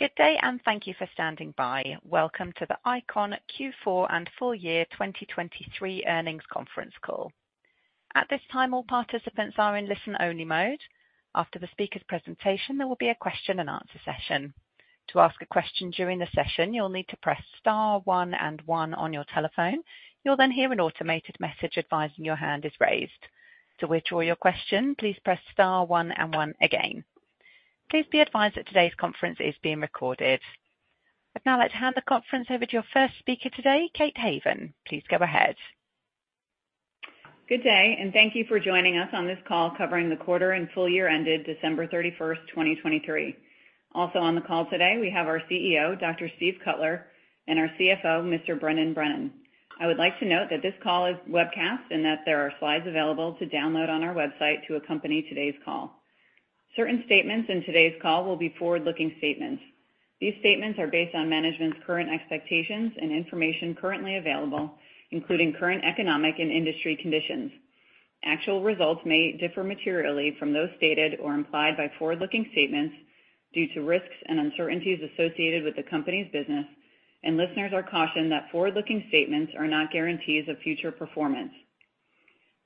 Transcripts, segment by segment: Good day, and thank you for standing by. Welcome to the ICON Q4 and full year 2023 earnings conference call. At this time, all participants are in listen-only mode. After the speaker's presentation, there will be a question-and-answer session. To ask a question during the session, you'll need to press star one and one on your telephone. You'll then hear an automated message advising your hand is raised. To withdraw your question, please press star one and one again. Please be advised that today's conference is being recorded. I'd now like to hand the conference over to your first speaker today, Kate Haven. Please go ahead. Good day, and thank you for joining us on this call covering the quarter and full year ended December 31, 2023. Also on the call today, we have our CEO, Dr. Steve Cutler, and our CFO, Mr. Brendan Brennan. I would like to note that this call is webcasted and that there are slides available to download on our website to accompany today's call. Certain statements in today's call will be forward-looking statements. These statements are based on management's current expectations and information currently available, including current economic and industry conditions. Actual results may differ materially from those stated or implied by forward-looking statements due to risks and uncertainties associated with the company's business, and listeners are cautioned that forward-looking statements are not guarantees of future performance.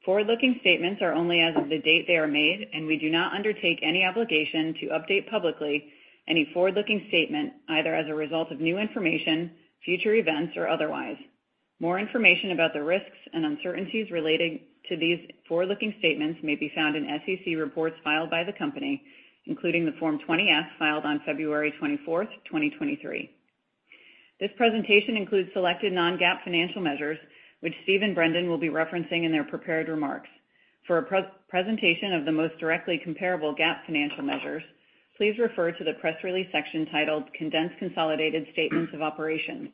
Forward-looking statements are only as of the date they are made, and we do not undertake any obligation to update publicly any forward-looking statement, either as a result of new information, future events, or otherwise. More information about the risks and uncertainties relating to these forward-looking statements may be found in SEC reports filed by the company, including the Form 20-F, filed on February 24, 2023. This presentation includes selected non-GAAP financial measures, which Steve and Brendan will be referencing in their prepared remarks. For a presentation of the most directly comparable GAAP financial measures, please refer to the press release section titled Condensed Consolidated Statements of Operations.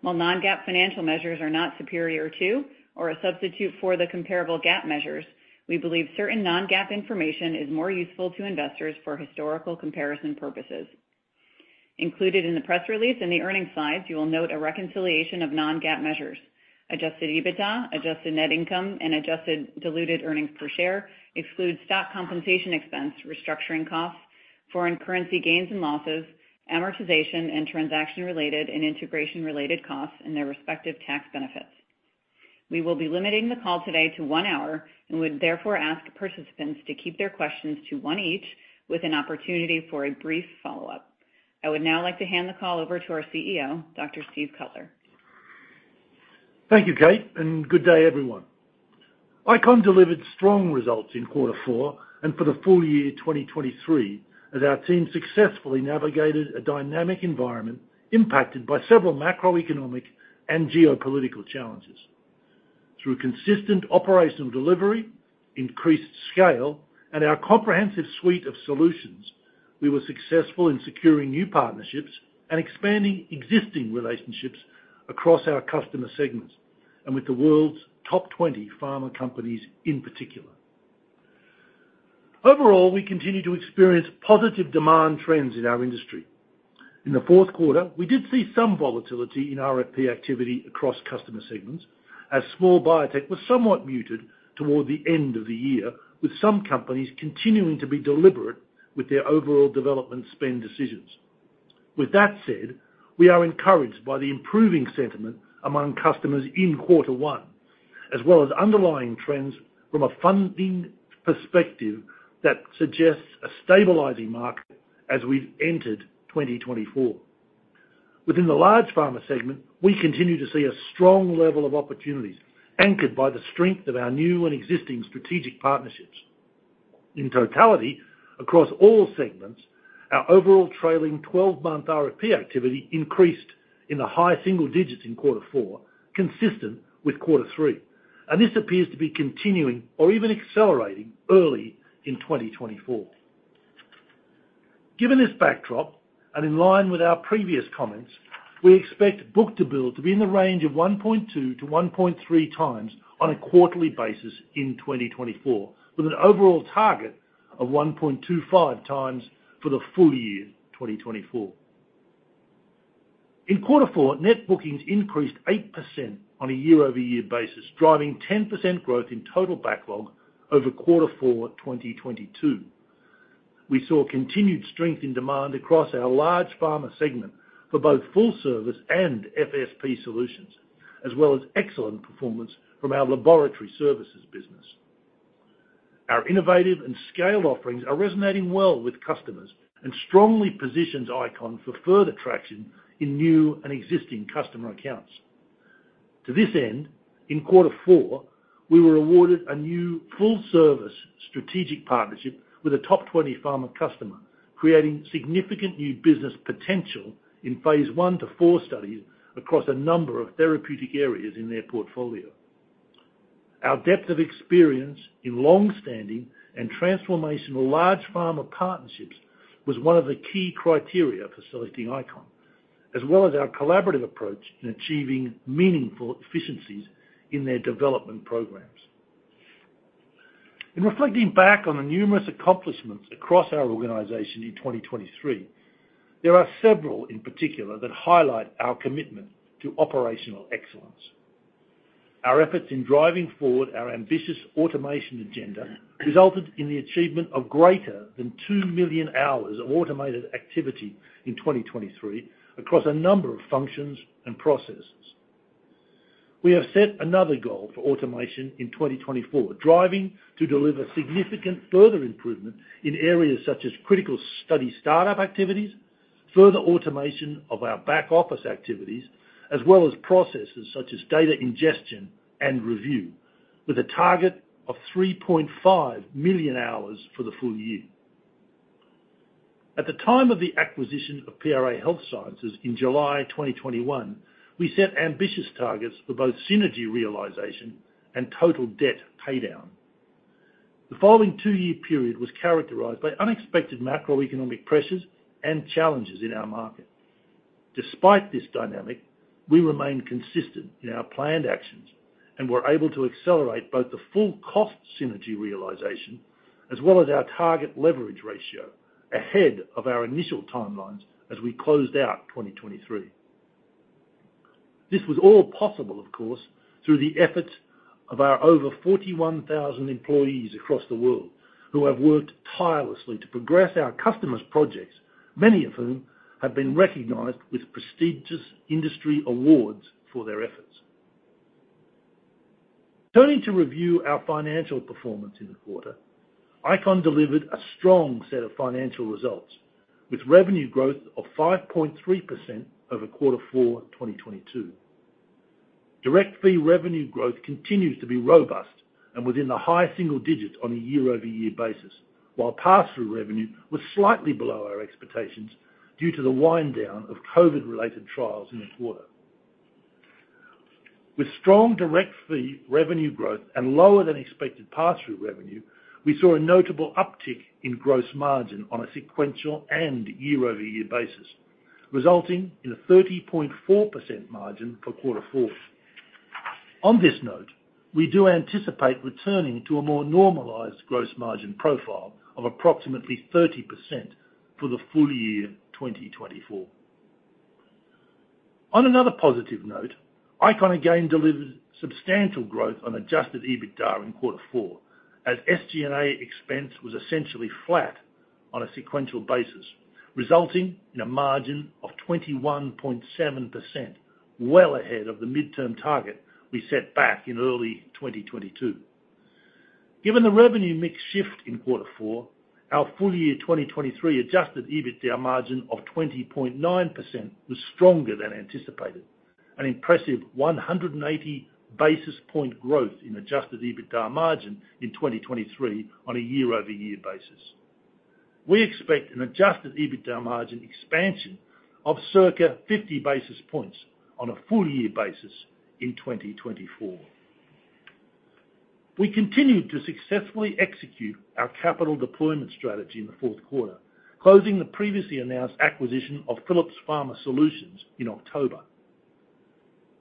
While non-GAAP financial measures are not superior to or a substitute for the comparable GAAP measures, we believe certain non-GAAP information is more useful to investors for historical comparison purposes. Included in the press release and the earnings slides, you will note a reconciliation of non-GAAP measures. Adjusted EBITDA, adjusted net income, and adjusted diluted earnings per share excludes stock compensation expense, restructuring costs, foreign currency gains and losses, amortization, and transaction-related and integration-related costs and their respective tax benefits. We will be limiting the call today to one hour and would therefore ask participants to keep their questions to one each, with an opportunity for a brief follow-up. I would now like to hand the call over to our CEO, Dr. Steve Cutler. Thank you, Kate, and good day, everyone. ICON delivered strong results in quarter four and for the full year 2023, as our team successfully navigated a dynamic environment impacted by several macroeconomic and geopolitical challenges. Through consistent operational delivery, increased scale, and our comprehensive suite of solutions, we were successful in securing new partnerships and expanding existing relationships across our customer segments and with the world's top 20 pharma companies in particular. Overall, we continue to experience positive demand trends in our industry. In the fourth quarter, we did see some volatility in RFP activity across customer segments, as small biotech was somewhat muted toward the end of the year, with some companies continuing to be deliberate with their overall development spend decisions. With that said, we are encouraged by the improving sentiment among customers in quarter one, as well as underlying trends from a funding perspective that suggests a stabilizing market as we've entered 2024. Within the large pharma segment, we continue to see a strong level of opportunities anchored by the strength of our new and existing strategic partnerships. In totality, across all segments, our overall trailing 12-month RFP activity increased in the high single digits in quarter four, consistent with quarter three, and this appears to be continuing or even accelerating early in 2024. Given this backdrop, and in line with our previous comments, we expect book-to-bill to be in the range of 1.2-1.3 times on a quarterly basis in 2024, with an overall target of 1.25 times for the full year 2024. In quarter four, net bookings increased 8% on a year-over-year basis, driving 10% growth in total backlog over quarter four, 2022. We saw continued strength in demand across our large pharma segment for both full service and FSP solutions, as well as excellent performance from our laboratory services business. Our innovative and scaled offerings are resonating well with customers and strongly positions ICON for further traction in new and existing customer accounts. To this end, in quarter four, we were awarded a new full-service strategic partnership with a top 20 pharma customer, creating significant new business potential in phase 1-4 studies across a number of therapeutic areas in their portfolio. Our depth of experience in long-standing and transformational large pharma partnerships was one of the key criteria for selecting ICON, as well as our collaborative approach in achieving meaningful efficiencies in their development programs. In reflecting back on the numerous accomplishments across our organization in 2023, there are several in particular that highlight our commitment to operational excellence.... Our efforts in driving forward our ambitious automation agenda resulted in the achievement of greater than 2 million hours of automated activity in 2023 across a number of functions and processes. We have set another goal for automation in 2024, driving to deliver significant further improvement in areas such as critical study startup activities, further automation of our back-office activities, as well as processes such as data ingestion and review, with a target of 3.5 million hours for the full year. At the time of the acquisition of PRA Health Sciences in July 2021, we set ambitious targets for both synergy realization andtotal debt paydown. The following two-year period was characterized by unexpected macroeconomic pressures and challenges in our market. Despite this dynamic, we remained consistent in our planned actions and were able to accelerate both the full cost synergy realization, as well as our target leverage ratio ahead of our initial timelines as we closed out 2023. This was all possible, of course, through the efforts of our over 41,000 employees across the world, who have worked tirelessly to progress our customers' projects, many of whom have been recognized with prestigious industry awards for their efforts. Turning to review our financial performance in the quarter, ICON delivered a strong set of financial results, with revenue growth of 5.3% over quarter four 2022. Direct fee revenue growth continues to be robust and within the high single digits on a year-over-year basis, while pass-through revenue was slightly below our expectations due to the wind down of COVID-related trials in this quarter. With strong direct fee revenue growth and lower than expected pass-through revenue, we saw a notable uptick in gross margin on a sequential and year-over-year basis, resulting in a 30.4% margin for Quarter Four. On this note, we do anticipate returning to a more normalized gross margin profile of approximately 30% for the full year 2024. On another positive note, ICON again delivered substantial growth on Adjusted EBITDA in Quarter Four, as SG&A expense was essentially flat on a sequential basis, resulting in a margin of 21.7%, well ahead of the midterm target we set back in early 2022. Given the revenue mix shift in Quarter Four, our full year 2023 Adjusted EBITDA margin of 20.9% was stronger than anticipated, an impressive 180 bps growth in Adjusted EBITDA margin in 2023 on a year-over-year basis. We expect an Adjusted EBITDA margin expansion of circa 50 bps on a full year basis in 2024. We continued to successfully execute our capital deployment strategy in the fourth quarter, closing the previously announced acquisition of Phillips Pharma Solutions in October.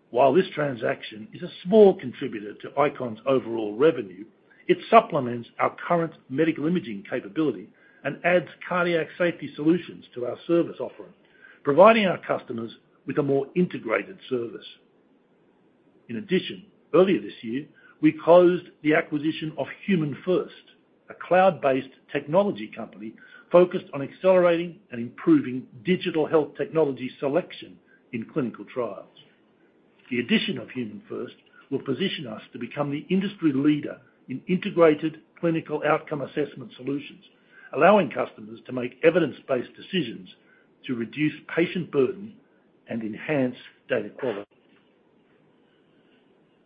While this transaction is a small contributor to ICON's overall revenue, it supplements our current medical imaging capability and adds cardiac safety solutions to our service offering, providing our customers with a more integrated service. In addition, earlier this year, we closed the acquisition of HumanFirst, a cloud-based technology company focused on accelerating and improving digital health technology selection in clinical trials. The addition of HumanFirst will position us to become the industry leader in integrated clinical outcome assessment solutions, allowing customers to make evidence-based decisions to reduce patient burden and enhance data quality.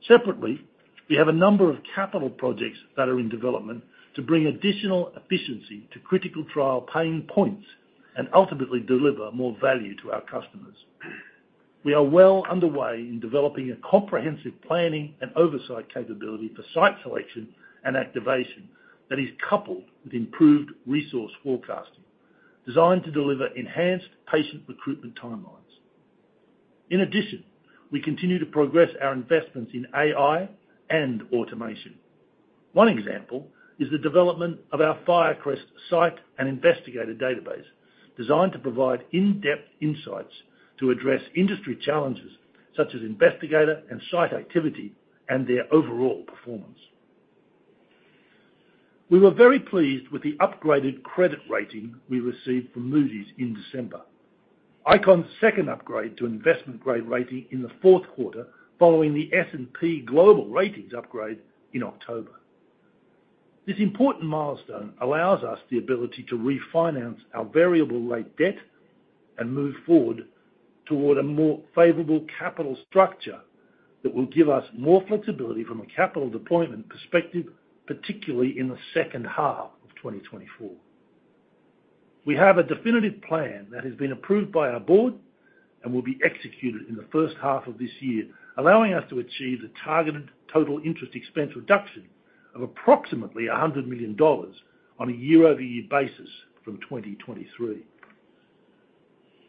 Separately, we have a number of capital projects that are in development to bring additional efficiency to clinical trial pain points and ultimately deliver more value to our customers. We are well underway in developing a comprehensive planning and oversight capability for site selection and activation that is coupled with improved resource forecasting, designed to deliver enhanced patient recruitment timelines. In addition, we continue to progress our investments in AI and automation. One example is the development of our Firecrest site and investigator database, designed to provide in-depth insights to address industry challenges such as investigator and site activity and their overall performance. We were very pleased with the upgraded credit rating we received from Moody's in December, ICON's second upgrade to investment-grade rating in the fourth quarter, following the S&P Global Ratings upgrade in October. This important milestone allows us the ability to refinance our variable rate debt and move forward toward a more favorable capital structure that will give us more flexibility from a capital deployment perspective, particularly in the second half of 2024. We have a definitive plan that has been approved by our board and will be executed in the first half of this year, allowing us to achieve the targeted total interest expense reduction of approximately $100 million on a year-over-year basis from 2023.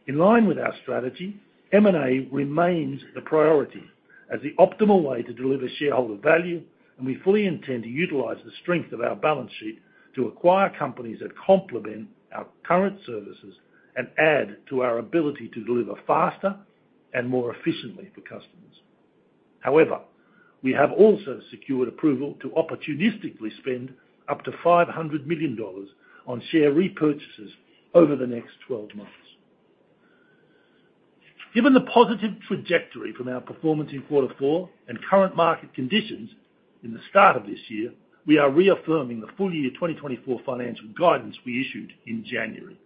In line with our strategy, M&A remains the priority as the optimal way to deliver shareholder value, and we fully intend to utilize the strength of our balance sheet to acquire companies that complement our current services and add to our ability to deliver faster and more efficiently for customers.... However, we have also secured approval to opportunistically spend up to $500 million on share repurchases over the next 12 months. Given the positive trajectory from our performance in quarter four and current market conditions in the start of this year, we are reaffirming the full year 2024 financial guidance we issued in January.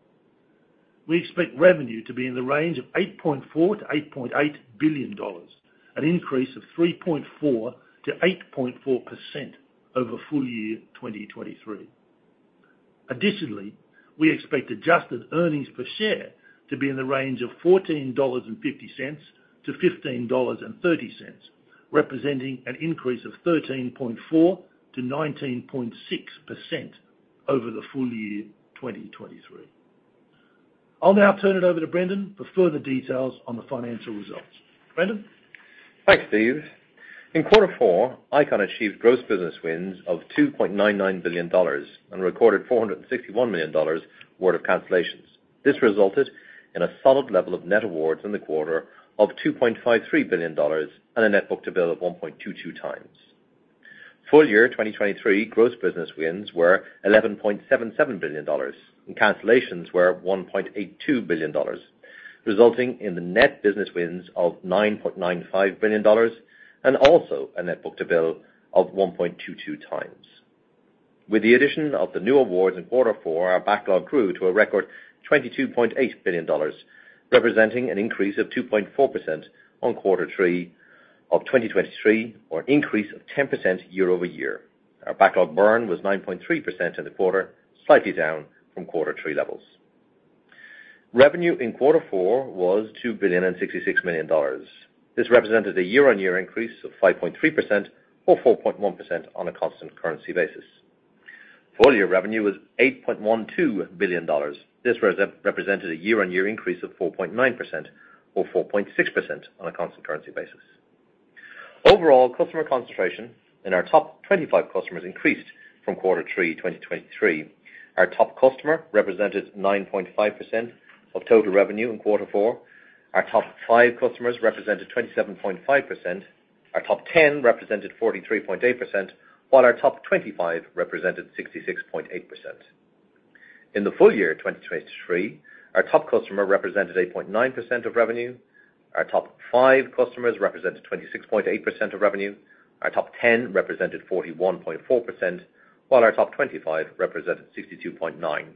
We expect revenue to be in the range of $8.4 to 8.8 billion, an increase of 3.4% to 8.4% over full year 2023. Additionally, we expect adjusted earnings per share to be in the range of $14.50 to $15.30, representing an increase of 13.4% to 19.6% over the full year 2023. I'll now turn it over to Brendan for further details on the financial results. Brendan? Thanks, Steve. In quarter four, ICON achieved gross business wins of $2.99 billion and recorded $461 million worth of cancellations. This resulted in a solid level of net awards in the quarter of $2.53 billion and a net book to bill of 1.22x. Full year 2023, gross business wins were $11.77 billion, and cancellations were $1.82 billion, resulting in the net business wins of $9.95 billion and also a net book to bill of 1.22x. With the addition of the new awards in quarter four, our backlog grew to a record $22.8 billion, representing an increase of 2.4% on quarter three of 2023, or an increase of 10% year-over-year. Our backlog burn was 9.3% in the quarter, slightly down from quarter three levels. Revenue in quarter four was $2.066 billion. This represented a year-on-year increase of 5.3% or 4.1% on a constant currency basis. Full year revenue was $8.12 billion. This represented a year-on-year increase of 4.9% or 4.6% on a constant currency basis. Overall, customer concentration in our top 25 customers increased from quarter three 2023. Our top customer represented 9.5% of total revenue in quarter four. Our top 5 customers represented 27.5%, our top 10 represented 43.8%, while our top 25 represented 66.8%. In the full year 2023, our top customer represented 8.9% of revenue, our top 5 customers represented 26.8% of revenue, our top 10 represented 41.4%, while our top 25 represented 62.9%.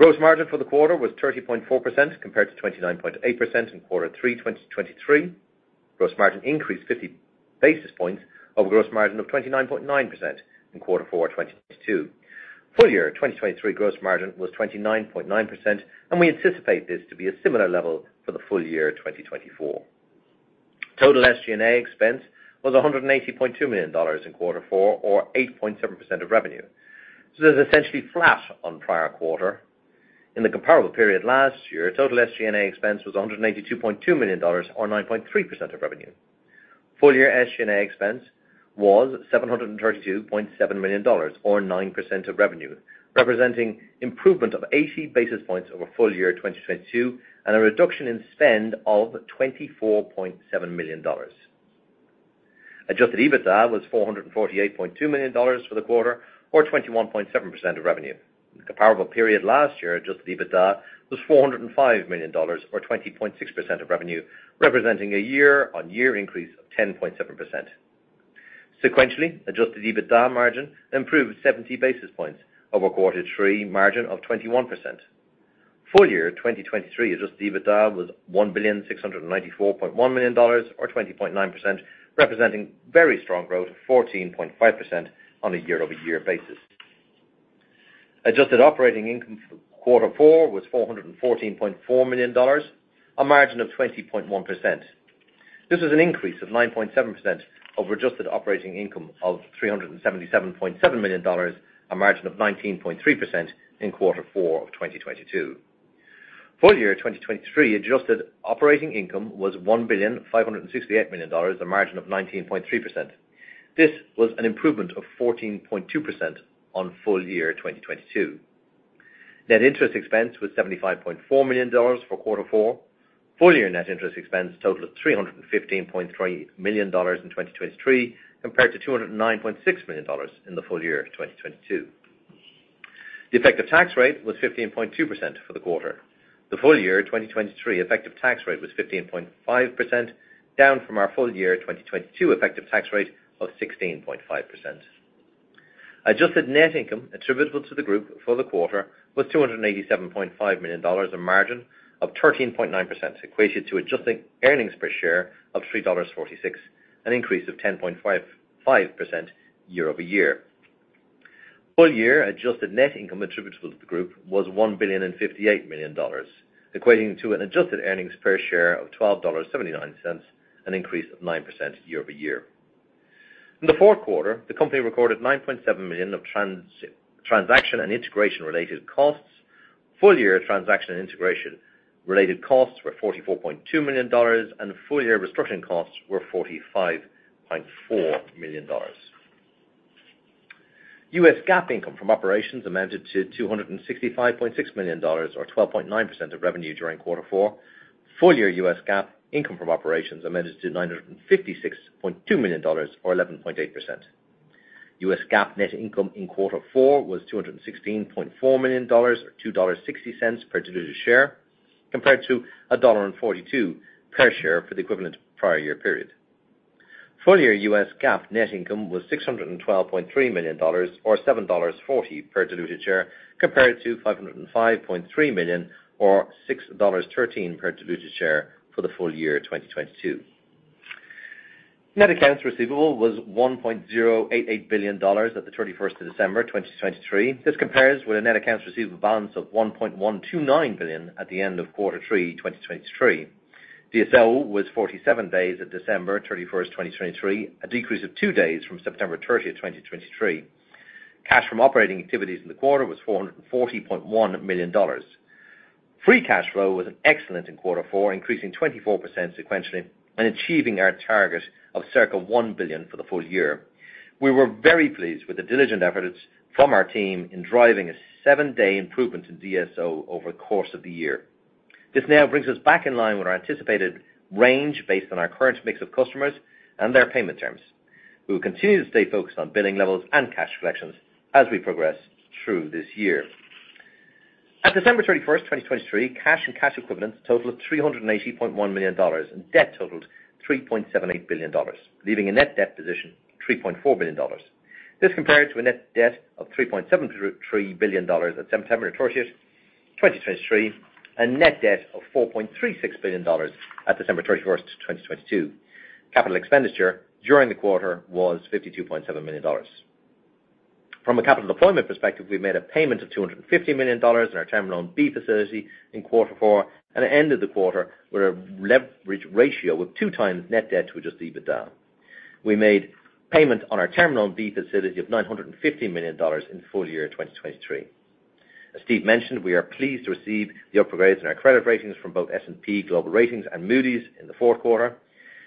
Gross margin for the quarter was 30.4%, compared to 29.8% in quarter three 2023. Gross margin increased 50bps over gross margin of 29.9% in quarter four 2022. Full year 2023 gross margin was 29.9%, and we anticipate this to be a similar level for the full year 2024. Total SG&A expense was $180.2 million in quarter four, or 8.7% of revenue. So this is essentially flat on prior quarter. In the comparable period last year, total SG&A expense was $182.2 million, or 9.3% of revenue. Full year SG&A expense was $732.7 million, or 9% of revenue, representing improvement of 80bps over full year 2022, and a reduction in spend of $24.7 million. Adjusted EBITDA was $448.2 million for the quarter, or 21.7% of revenue. In the comparable period last year, adjusted EBITDA was $405 million, or 20.6% of revenue, representing a year-on-year increase of 10.7%. Sequentially, Adjusted EBITDA margin improved 70bps over quarter three margin of 21%. Full year 2023, Adjusted EBITDA was $1,694.1 million, or 20.9%, representing very strong growth of 14.5% on a year-over-year basis. Adjusted operating income for quarter four was $414.4 million, a margin of 20.1%. This is an increase of 9.7% over adjusted operating income of $377.7 million, a margin of 19.3% in quarter four of 2022. Full year 2023, adjusted operating income was $1,568 million, a margin of 19.3%. This was an improvement of 14.2% on full year 2022. Net interest expense was $75.4 million for quarter four. Full year net interest expense totaled $315.3 million in 2023, compared to $209.6 million in the full year of 2022. The effective tax rate was 15.2% for the quarter. The full year 2023 effective tax rate was 15.5%, down from our full year 2022 effective tax rate of 16.5%. Adjusted net income attributable to the group for the quarter was $287.5 million, a margin of 13.9%, equated to adjusted earnings per share of $3.46, an increase of 10.55% year over year. Full year adjusted net income attributable to the group was $1.058 billion, equating to an adjusted earnings per share of $12.79, an increase of 9% year-over-year. In the fourth quarter, the company recorded $9.7 million of transaction and integration-related costs. Full year transaction and integration-related costs were $44.2 million, and full year restructuring costs were $45.4 million. U.S. GAAP income from operations amounted to $265.6 million or 12.9% of revenue during quarter four. Full year U.S. GAAP income from operations amounted to $956.2 million, or 11.8%. US GAAP net income in quarter four was $216.4 million, or $2.60 per diluted share, compared to $1.42 per share for the equivalent prior year period. Full-year US GAAP net income was $612.3 million, or $7.40 per diluted share, compared to $505.3 million, or $6.13 per diluted share for the full year 2022. Net accounts receivable was $1.088 billion at December 31, 2023. This compares with a net accounts receivable balance of $1.129 billion at the end of quarter three, 2023. DSO was 47 days at December 31, 2023, a decrease of 2 days from September 30, 2023. Cash from operating activities in the quarter was $440.1 million. Free cash flow was excellent in quarter four, increasing 24% sequentially and achieving our target of circa $1 billion for the full year. We were very pleased with the diligent efforts from our team in driving a 7-day improvement in DSO over the course of the year. This now brings us back in line with our anticipated range, based on our current mix of customers and their payment terms. We will continue to stay focused on billing levels and cash collections as we progress through this year. At December 31, 2023, cash and cash equivalents totaled $380.1 million, and debt totaled $3.78 billion, leaving a net debt position of $3.4 billion. This compared to a net debt of $3.73 billion at September 30th, 2023, and net debt of $4.36 billion at December 31st, 2022. Capital expenditure during the quarter was $52.7 million. From a capital deployment perspective, we made a payment of $250 million in our Term Loan B facility in quarter four and ended the quarter with a leverage ratio of 2x net debt, which is EBITDA. We made payment on our Term Loan B facility of $950 million in full year 2023. As Steve mentioned, we are pleased to receive the upgrades in our credit ratings from both S&P Global Ratings and Moody's in the fourth quarter.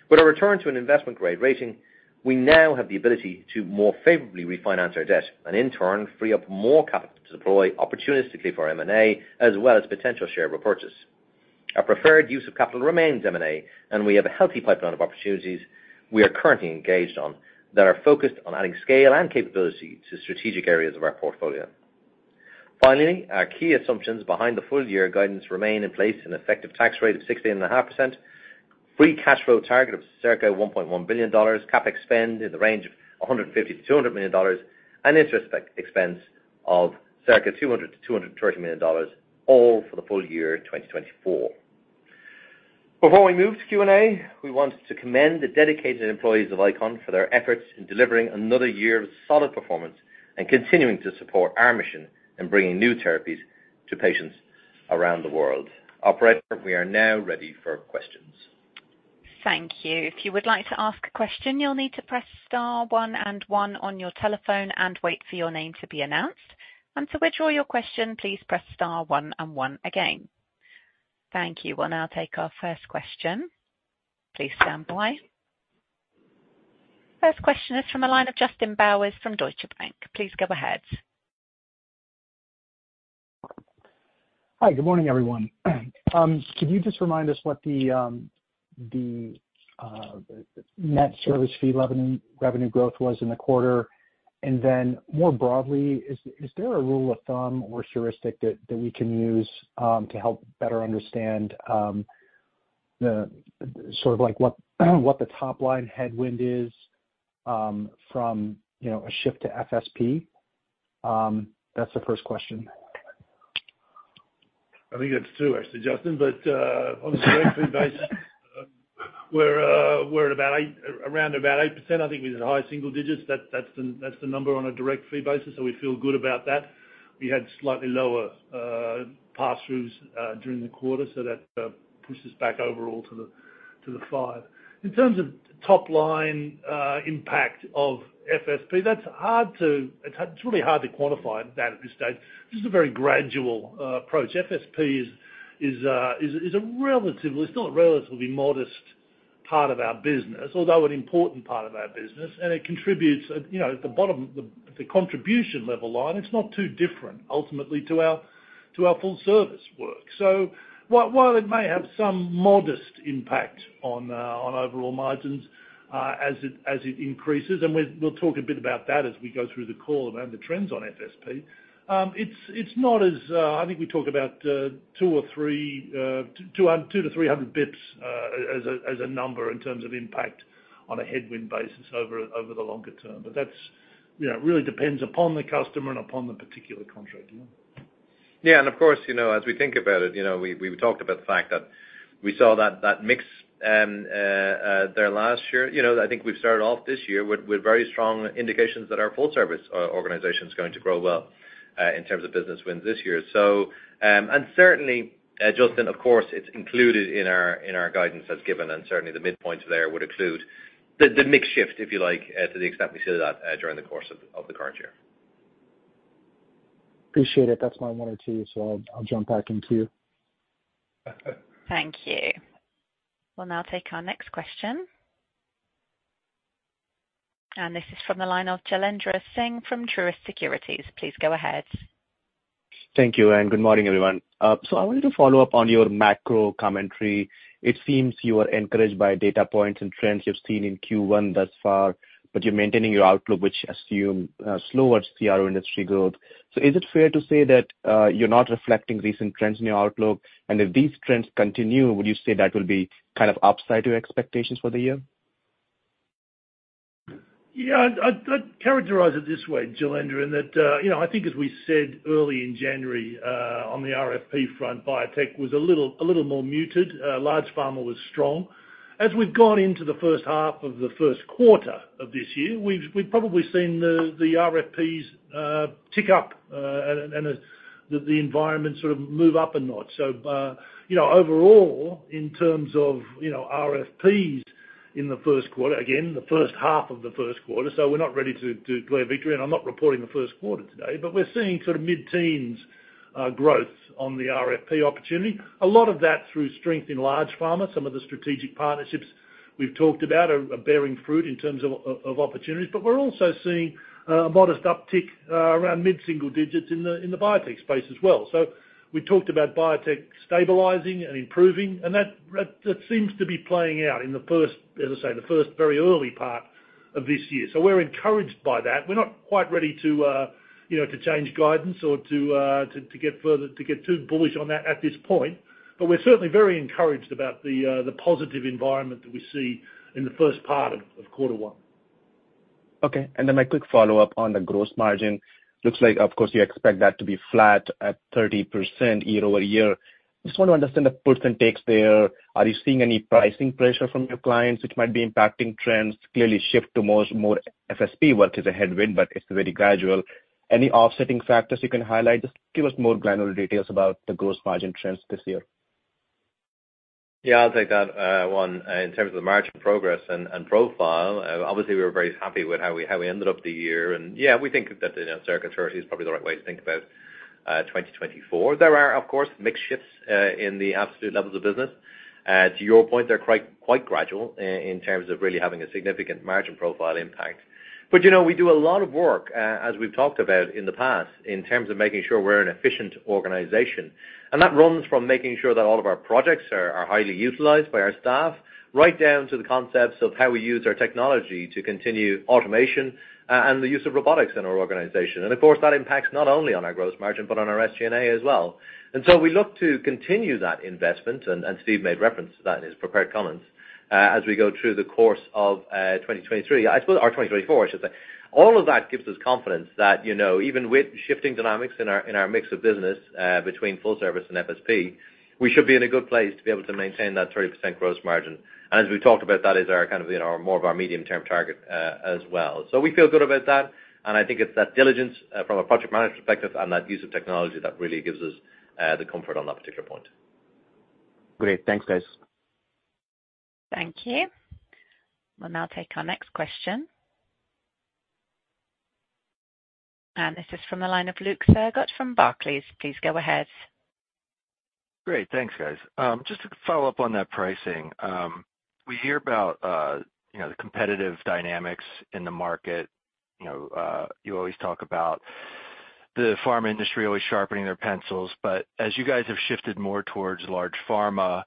With a return to an investment-grade rating, we now have the ability to more favorably refinance our debt and, in turn, free up more capital to deploy opportunistically for M&A, as well as potential share repurchase. Our preferred use of capital remains M&A, and we have a healthy pipeline of opportunities we are currently engaged on that are focused on adding scale and capability to strategic areas of our portfolio. Finally, our key assumptions behind the full-year guidance remain in place: an effective tax rate of 60.5%, free cash flow target of circa $1.1 billion, CapEx spend in the range of $150 million-$200 million, and interest expense of circa $200 million-$230 million, all for the full year 2024. Before we move to Q&A, we want to commend the dedicated employees of ICON for their efforts in delivering another year of solid performance and continuing to support our mission in bringing new therapies to patients around the world. Operator, we are now ready for questions. Thank you. If you would like to ask a question, you'll need to press star one and one on your telephone and wait for your name to be announced. And to withdraw your question, please press star one and one again. Thank you. We'll now take our first question. Please stand by. First question is from the line of Justin Bowers from Deutsche Bank. Please go ahead. Hi, good morning, everyone. Could you just remind us what the net service fee revenue, revenue growth was in the quarter? And then more broadly, is there a rule of thumb or heuristic that we can use to help better understand the sort of like what the top-line headwind is from, you know, a shift to FSP? That's the first question. I think that's 2, actually, Justin, but on a direct fee basis, we're at about 8%-around about 8%. I think we did high single digits. That's the number on a direct fee basis, so we feel good about that. We had slightly lower pass-throughs during the quarter, so that pushes back overall to the 5. In terms of top line impact of FSP, that's hard to... It's really hard to quantify that at this stage. This is a very gradual approach. FSP is still a relatively modest part of our business, although an important part of our business, and it contributes, you know, at the bottom, the contribution level line, it's not too different ultimately to our full service work. So while it may have some modest impact on overall margins, as it increases, and we'll talk a bit about that as we go through the call and the trends on FSP, it's not as... I think we talked about 200-300 bps, as a number in terms of impact on a headwind basis over the longer term. But that's, you know, it really depends upon the customer and upon the particular contract, you know? Yeah, and of course, you know, as we think about it, you know, we've talked about the fact that we saw that mix there last year. You know, I think we've started off this year with very strong indications that our full service organization is going to grow well in terms of business wins this year. So, and certainly, Justin, of course, it's included in our guidance as given, and certainly the midpoints there would include the mix shift, if you like, to the extent we see that during the course of the current year.... Appreciate it. That's my one or two, so I'll, I'll jump back in queue. Thank you. We'll now take our next question. And this is from the line of Jailendra Singh from Truist Securities. Please go ahead. Thank you, and good morning, everyone. So I wanted to follow up on your macro commentary. It seems you are encouraged by data points and trends you've seen in Q1 thus far, but you're maintaining your outlook, which assume slower CRO industry growth. So is it fair to say that you're not reflecting recent trends in your outlook? And if these trends continue, would you say that will be kind of upside to expectations for the year? Yeah, I'd characterize it this way, Jailendra, in that, you know, I think as we said early in January, on the RFP front, biotech was a little more muted, large pharma was strong. As we've gone into the first half of the first quarter of this year, we've probably seen the RFPs tick up, and the environment sort of move up a notch. So, you know, overall, in terms of, you know, RFPs in the first quarter—again, the first half of the first quarter, so we're not ready to declare victory, and I'm not reporting the first quarter today. But we're seeing sort of mid-teens growth on the RFP opportunity. A lot of that through strength in large pharma. Some of the strategic partnerships we've talked about are bearing fruit in terms of opportunities. But we're also seeing a modest uptick around mid-single digits in the biotech space as well. So we talked about biotech stabilizing and improving, and that seems to be playing out in the first, as I say, the first very early part of this year. So we're encouraged by that. We're not quite ready to, you know, to change guidance or to get too bullish on that at this point. But we're certainly very encouraged about the positive environment that we see in the first part of quarter one. Okay. Then my quick follow-up on the gross margin. Looks like, of course, you expect that to be flat at 30% year-over-year. Just want to understand the puts and takes there. Are you seeing any pricing pressure from your clients, which might be impacting trends? Clearly, shift to more FSP work is a headwind, but it's very gradual. Any offsetting factors you can highlight? Just give us more granular details about the gross margin trends this year. Yeah, I'll take that one. In terms of the margin progress and profile, obviously, we were very happy with how we ended up the year. And yeah, we think that the circa 30 is probably the right way to think about 2024. There are, of course, mix shifts in the absolute levels of business. To your point, they're quite gradual in terms of really having a significant margin profile impact. But you know, we do a lot of work, as we've talked about in the past, in terms of making sure we're an efficient organization. And that runs from making sure that all of our projects are highly utilized by our staff, right down to the concepts of how we use our technology to continue automation and the use of robotics in our organization. And of course, that impacts not only on our gross margin, but on our SG&A as well. And so we look to continue that investment, and, and Steve made reference to that in his prepared comments, as we go through the course of, 2023, I suppose, or 2024, I should say. All of that gives us confidence that, you know, even with shifting dynamics in our, in our mix of business, between Full Service and FSP, we should be in a good place to be able to maintain that 30% gross margin. And as we've talked about, that is our kind of, you know, more of our medium-term target, as well. We feel good about that, and I think it's that diligence from a project management perspective and that use of technology that really gives us the comfort on that particular point. Great. Thanks, guys. Thank you. We'll now take our next question. This is from the line of Luke Sergott from Barclays. Please go ahead. Great. Thanks, guys. Just to follow up on that pricing, we hear about, you know, the competitive dynamics in the market. You know, you always talk about the pharma industry always sharpening their pencils. But as you guys have shifted more towards large pharma,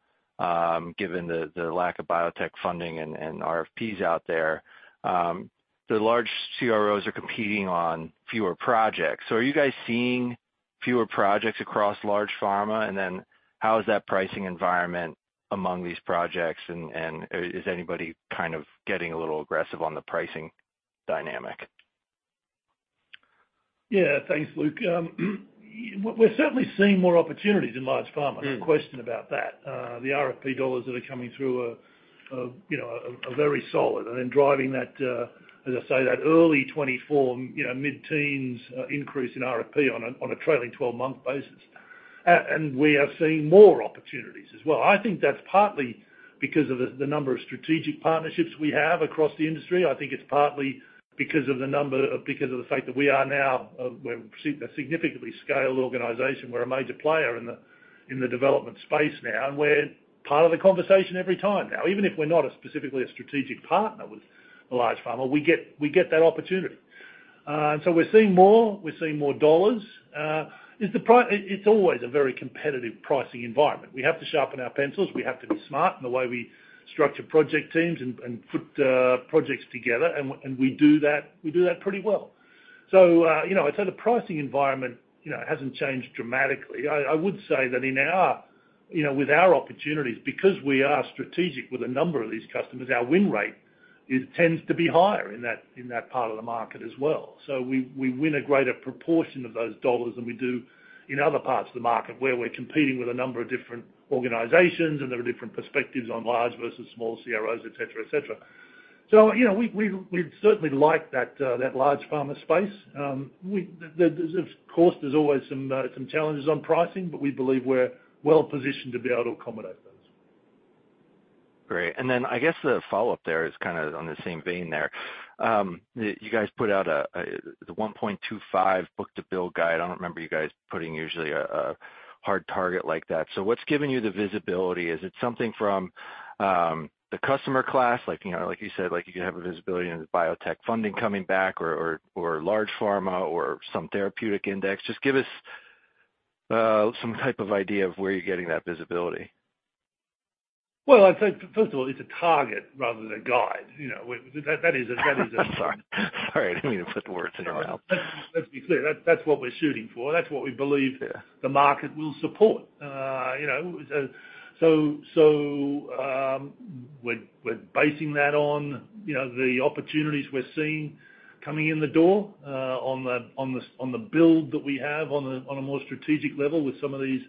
given the lack of biotech funding and RFPs out there, the large CROs are competing on fewer projects. So are you guys seeing fewer projects across large pharma? And then how is that pricing environment among these projects, and is anybody kind of getting a little aggressive on the pricing dynamic? Yeah. Thanks, Luke. We're certainly seeing more opportunities in large pharma. Mm-hmm. No question about that. The RFP dollars that are coming through are, you know, very solid and then driving that, as I say, that early 2024, you know, mid-teens increase in RFP on a trailing twelve-month basis. And we are seeing more opportunities as well. I think that's partly because of the number of strategic partnerships we have across the industry. I think it's partly because of the number of—because of the fact that we are now, we're a significantly scaled organization. We're a major player in the development space now, and we're part of the conversation every time now. Even if we're not specifically a strategic partner with a large pharma, we get that opportunity. And so we're seeing more, we're seeing more dollars. Is the pri... It's always a very competitive pricing environment. We have to sharpen our pencils, we have to be smart in the way we structure project teams and put projects together, and we do that pretty well. So, you know, I'd say the pricing environment, you know, hasn't changed dramatically. I would say that in our, you know, with our opportunities, because we are strategic with a number of these customers, our win rate tends to be higher in that part of the market as well. So we win a greater proportion of those dollars than we do in other parts of the market, where we're competing with a number of different organizations, and there are different perspectives on large versus small CROs, et cetera, et cetera. So, you know, we've certainly like that large pharma space. There's of course always some challenges on pricing, but we believe we're well positioned to be able to accommodate those.... Great. And then I guess the follow-up there is kind of on the same vein there. You guys put out the 1.25 book-to-bill guide. I don't remember you guys putting usually a hard target like that. So what's giving you the visibility? Is it something from the customer class? Like, you know, like you said, like you could have a visibility into biotech funding coming back or large pharma or some therapeutic index. Just give us some type of idea of where you're getting that visibility. Well, I'd say, first of all, it's a target rather than a guide. You know, that is a - Sorry, sorry, I didn't mean to put the words in your mouth. Let's be clear. That's what we're shooting for. That's what we believe- Yeah... the market will support. You know, so we're basing that on, you know, the opportunities we're seeing coming in the door, on the build that we have on a more strategic level with some of these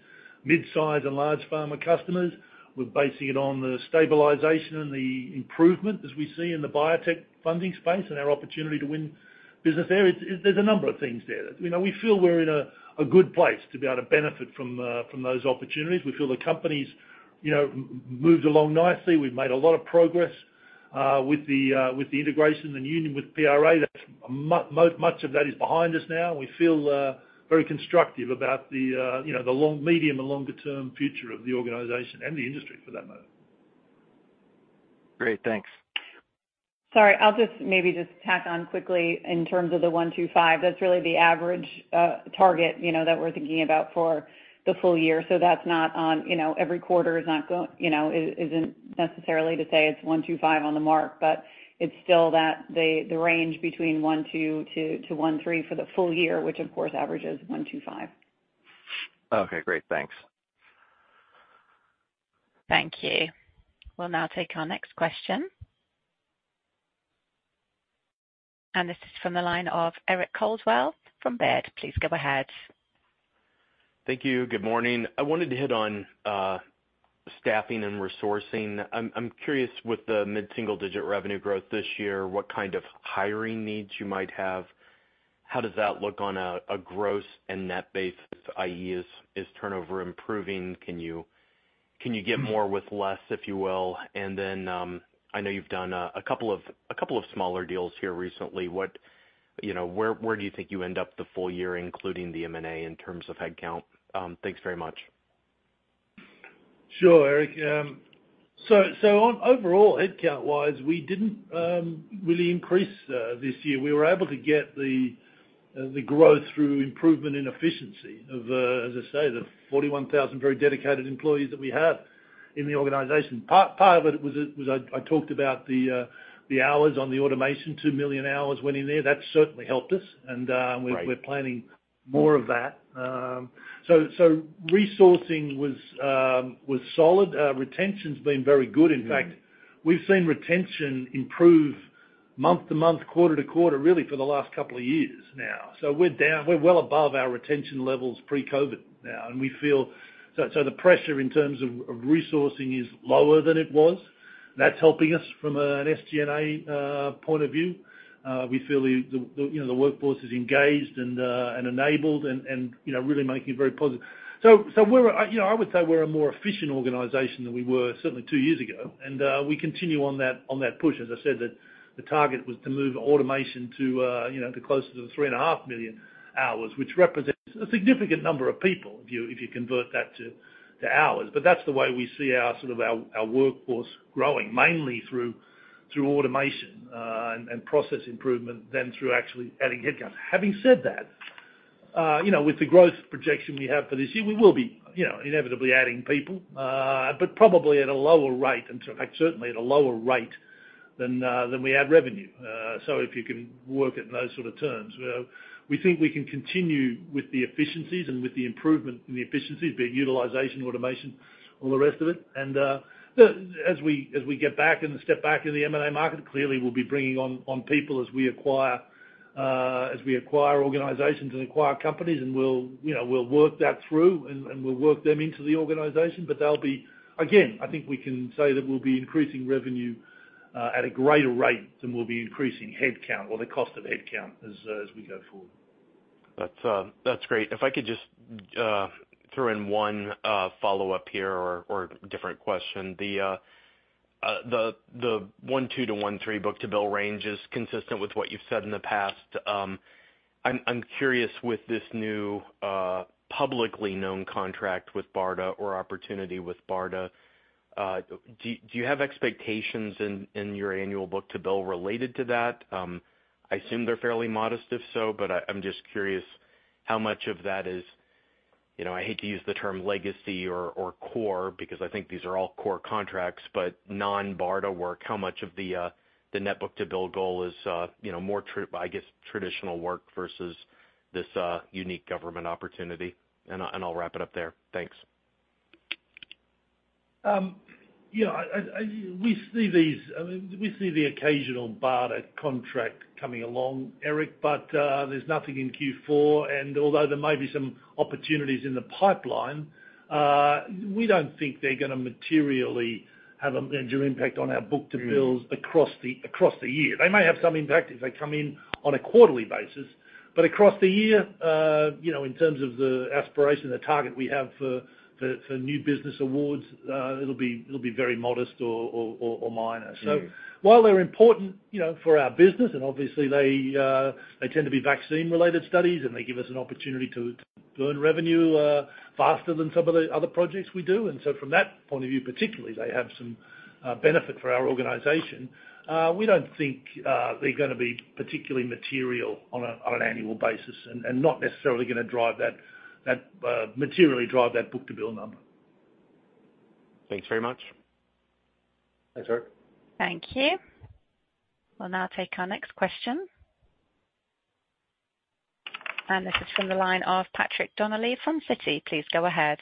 mid-sized and large pharma customers. We're basing it on the stabilization and the improvement as we see in the biotech funding space and our opportunity to win business there. There's a number of things there. You know, we feel we're in a good place to be able to benefit from those opportunities. We feel the company's, you know, moved along nicely. We've made a lot of progress with the integration and union with PRA. That's much of that is behind us now. We feel very constructive about the, you know, the long medium and longer term future of the organization and the industry for that matter. Great, thanks. Sorry, I'll just maybe just tack on quickly in terms of the 1.25. That's really the average target, you know, that we're thinking about for the full year. So that's not on, you know, every quarter is not go, you know, isn't necessarily to say it's 1.25 on the mark, but it's still that the range between 1.2 to 1.3 for the full year, which of course averages 1.25. Okay, great. Thanks. Thank you. We'll now take our next question. This is from the line of Eric Coldwell from Baird. Please go ahead. Thank you. Good morning. I wanted to hit on, staffing and resourcing. I'm curious, with the mid-single-digit revenue growth this year, what kind of hiring needs you might have? How does that look on a, gross and net basis, i.e., is turnover improving? Can you get more with less, if you will? And then, I know you've done, a couple of smaller deals here recently. What, you know, where do you think you end up the full year, including the M&A, in terms of headcount? Thanks very much. Sure, Eric. So, so on overall, headcount-wise, we didn't really increase this year. We were able to get the growth through improvement in efficiency of, as I say, the 41,000 very dedicated employees that we have in the organization. Part of it was, it was I talked about the hours on the automation, 2 million hours went in there. That certainly helped us. Right. We're planning more of that. So resourcing was solid. Retention's been very good. Mm-hmm. In fact, we've seen retention improve month-to-month, quarter-to-quarter, really for the last couple of years now. So we're well above our retention levels pre-COVID now, and we feel so the pressure in terms of resourcing is lower than it was. That's helping us from an SG&A point of view. We feel the you know, the workforce is engaged and enabled and you know, really making it very positive. So we're you know, I would say we're a more efficient organization than we were certainly two years ago, and we continue on that push. As I said, the target was to move automation to, you know, closer to the 3.5 million hours, which represents a significant number of people, if you, if you convert that to hours. But that's the way we see our, sort of our, our workforce growing, mainly through automation and process improvement than through actually adding headcount. Having said that, you know, with the growth projection we have for this year, we will be, you know, inevitably adding people, but probably at a lower rate, in fact, certainly at a lower rate than we add revenue. So if you can work it in those sort of terms, we think we can continue with the efficiencies and with the improvement in the efficiencies, be it utilization, automation, all the rest of it. As we get back and step back in the M&A market, clearly we'll be bringing on people as we acquire organizations and acquire companies, and we'll, you know, we'll work that through, and we'll work them into the organization. But they'll be... Again, I think we can say that we'll be increasing revenue at a greater rate than we'll be increasing headcount or the cost of headcount as we go forward. That's great. If I could just throw in one follow-up here or different question. The 1.2-1.3 book-to-bill range is consistent with what you've said in the past. I'm curious, with this new publicly known contract with BARDA or opportunity with BARDA, do you have expectations in your annual book-to-bill related to that? I assume they're fairly modest, if so, but I'm just curious how much of that is, you know, I hate to use the term legacy or core, because I think these are all core contracts, but non-BARDA work, how much of the net book-to-bill goal is, you know, more traditional work versus this unique government opportunity? And I'll wrap it up there. Thanks. You know, we see these, I mean, we see the occasional BARDA contract coming along, Eric, but there's nothing in Q4. And although there may be some opportunities in the pipeline, we don't think they're gonna materially have a major impact on our book-to-bill across the year. They may have some impact if they come in on a quarterly basis, but across the year, you know, in terms of the aspiration, the target we have for new business awards, it'll be very modest or minor. So while they're important, you know, for our business, and obviously they tend to be vaccine-related studies, and they give us an opportunity to earn revenue faster than some of the other projects we do. And so from that point of view, particularly, they have some benefit for our organization. We don't think they're gonna be particularly material on an annual basis and not necessarily gonna materially drive that book-to-bill number. Thanks very much. Thanks, Eric. Thank you. We'll now take our next question. This is from the line of Patrick Donnelly from Citi. Please go ahead.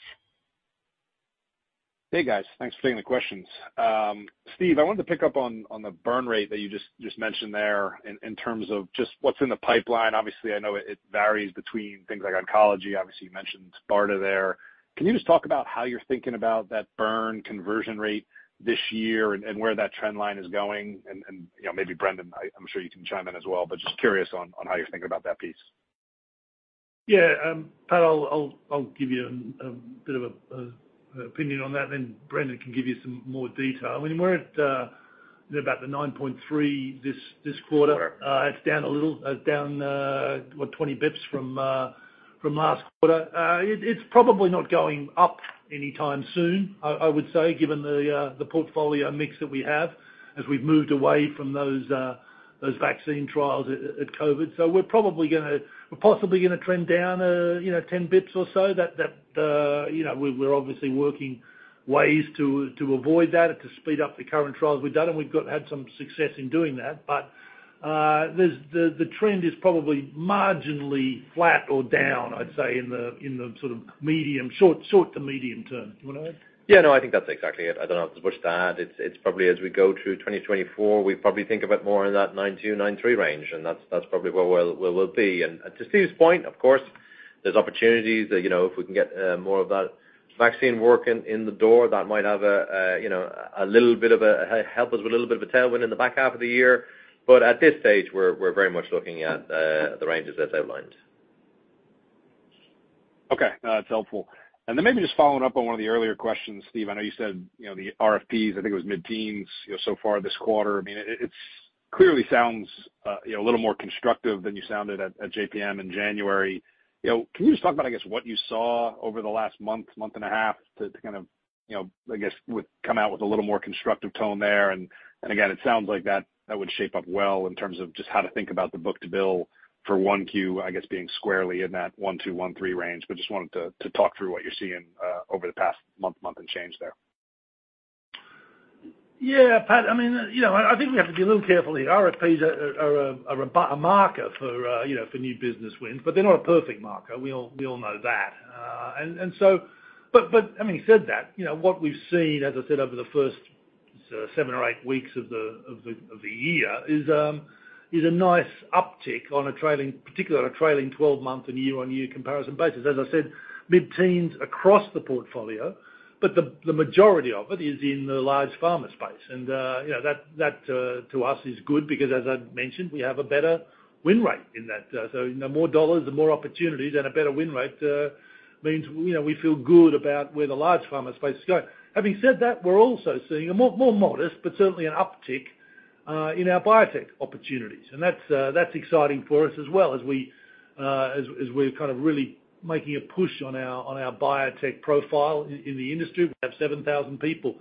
Hey, guys. Thanks for taking the questions. Steve, I wanted to pick up on the burn rate that you just mentioned there in terms of just what's in the pipeline. Obviously, I know it varies between things like oncology. Obviously, you mentioned Sparta there. Can you just talk about how you're thinking about that burn conversion rate this year and where that trend line is going? And you know, maybe Brendan, I'm sure you can chime in as well, but just curious on how you're thinking about that piece. Yeah, Pat, I'll give you a bit of an opinion on that, then Brendan can give you some more detail. I mean, we're at about 9.3 this quarter. Sure. It's down a little, down what? 20bps from last quarter. It's probably not going up any time soon, I would say, given the portfolio mix that we have as we've moved away from those vaccine trials at COVID. So we're probably gonna, we're possibly gonna trend down, you know, 10bps or so, that, you know, we're obviously working ways to avoid that and to speed up the current trials we've done, and we've had some success in doing that. But, the trend is probably marginally flat or down, I'd say, in the sort of short to medium term. You wanna add? Yeah, no, I think that's exactly it. I don't know if there's much to add. It's probably as we go through 2024, we probably think a bit more in that 92 to 93 range, and that's probably where we'll be. And to Steve's point, of course, there's opportunities that, you know, if we can get more of that vaccine work in the door, that might have a you know a little bit of a help us with a little bit of a tailwind in the back half of the year. But at this stage, we're very much looking at the ranges as outlined. Okay. No, that's helpful. And then maybe just following up on one of the earlier questions, Steve, I know you said, you know, the RFPs, I think it was mid-teens, you know, so far this quarter. I mean, it's clearly sounds, you know, a little more constructive than you sounded at, at JPM in January. You know, can you just talk about, I guess, what you saw over the last month, month and a half to kind of, you know, I guess, would come out with a little more constructive tone there? And, and again, it sounds like that, that would shape up well in terms of just how to think about the book to bill for 1Q, I guess, being squarely in that 1.2-1.3 range. Just wanted to talk through what you're seeing over the past month and change there. Yeah, Pat, I mean, you know, I think we have to be a little careful here. RFPs are a marker for, you know, for new business wins, but they're not a perfect marker. We all know that. But, I mean, having said that, you know, what we've seen, as I said, over the first seven or eight weeks of the year is a nice uptick on a trailing, particularly on a trailing twelve-month and year-on-year comparison basis. As I said, mid-teens across the portfolio, but the majority of it is in the large pharma space. And, you know, that to us is good because, as I've mentioned, we have a better win rate in that. So, you know, more dollars and more opportunities and a better win rate, means, you know, we feel good about where the large pharma space is going. Having said that, we're also seeing a more, more modest, but certainly an uptick, in our biotech opportunities. And that's, that's exciting for us as well, as we, as, as we're kind of really making a push on our, on our biotech profile in the industry. We have 7,000 people,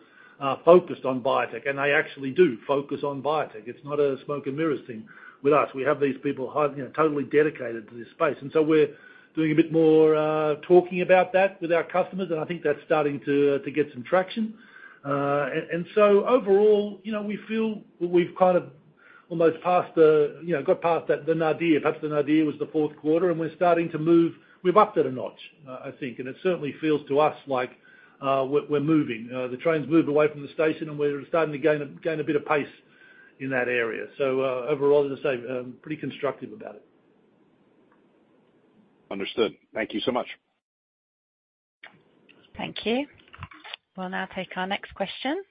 focused on biotech, and they actually do focus on biotech. It's not a smoke and mirrors thing with us. We have these people, you know, totally dedicated to this space. And so we're doing a bit more, talking about that with our customers, and I think that's starting to, to get some traction. So overall, you know, we feel that we've kind of almost passed the, you know, got past that, the nadir. Perhaps the nadir was the fourth quarter, and we're starting to move... We've upped it a notch, I think, and it certainly feels to us like, we're moving. The train's moved away from the station, and we're starting to gain a bit of pace in that area. So, overall, as I say, pretty constructive about it. Understood. Thank you so much. Thank you. We'll now take our next question.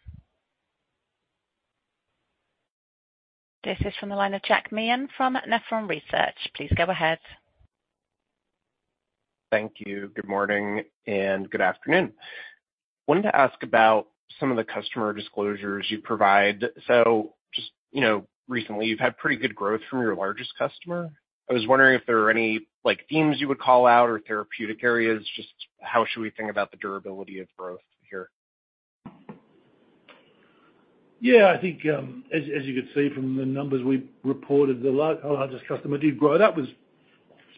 This is from the line of Jack Meehan from Nephron Research. Please go ahead. Thank you. Good morning and good afternoon. Wanted to ask about some of the customer disclosures you provide. So just, you know, recently, you've had pretty good growth from your largest customer. I was wondering if there are any, like, themes you would call out or therapeutic areas. Just how should we think about the durability of growth here? Yeah, I think, as you can see from the numbers we've reported, the largest customer did grow. That was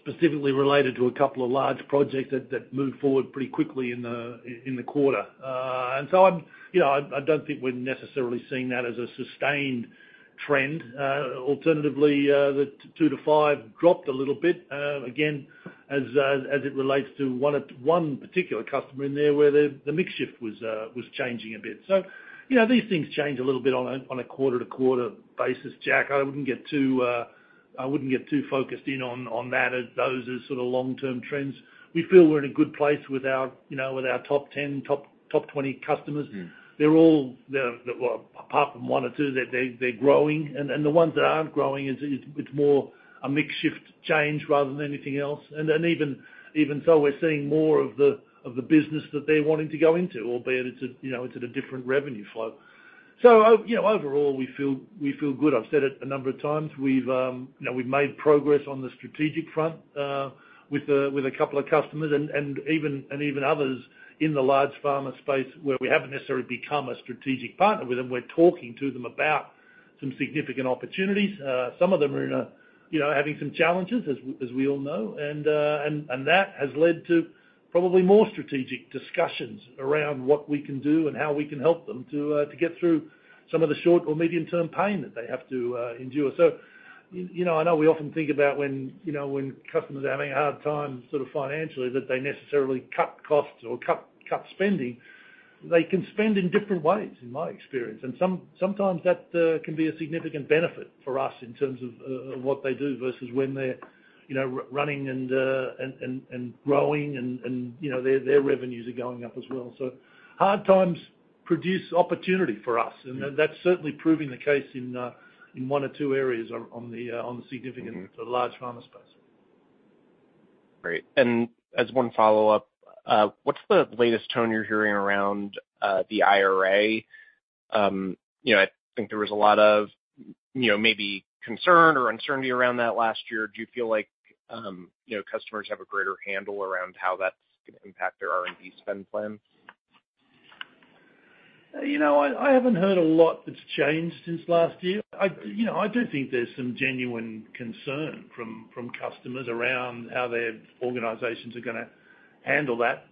specifically related to a couple of large projects that moved forward pretty quickly in the in the quarter. And so I'm, you know, I don't think we're necessarily seeing that as a sustained trend. Alternatively, the 2-5 dropped a little bit, again, as it relates to one particular customer in there, where the mix shift was changing a bit. So, you know, these things change a little bit on a quarter-to-quarter basis, Jack. I wouldn't get too focused in on that as those are sort of long-term trends. We feel we're in a good place with our, you know, with our top 10, top, top 20 customers. Mm. They're all, well, apart from one or two, they're growing. And the ones that aren't growing, it's more a mix shift change rather than anything else. And then even so, we're seeing more of the business that they're wanting to go into, albeit it's, you know, it's at a different revenue flow. So, you know, overall, we feel good. I've said it a number of times. We've, you know, we've made progress on the strategic front, with a couple of customers, and even others in the large pharma space, where we haven't necessarily become a strategic partner with them. We're talking to them about some significant opportunities. Some of them are, you know, having some challenges, as we all know, and that has led to probably more strategic discussions around what we can do and how we can help them to get through some of the short or medium-term pain that they have to endure. So, you know, I know we often think about when, you know, when customers are having a hard time sort of financially, that they necessarily cut costs or cut spending. They can spend in different ways, in my experience, and sometimes that can be a significant benefit for us in terms of what they do versus when they're, you know, running and growing and, you know, their revenues are going up as well. Hard times produce opportunity for us. Mm. That's certainly proving the case in one or two areas on the significant- Mm. the large pharma space. Great. And as one follow-up, what's the latest tone you're hearing around the IRA? You know, I think there was a lot of, you know, maybe concern or uncertainty around that last year. Do you feel like, you know, customers have a greater handle around how that's gonna impact their R&D spend plan? You know, I haven't heard a lot that's changed since last year. You know, I do think there's some genuine concern from customers around how their organizations are gonna handle that.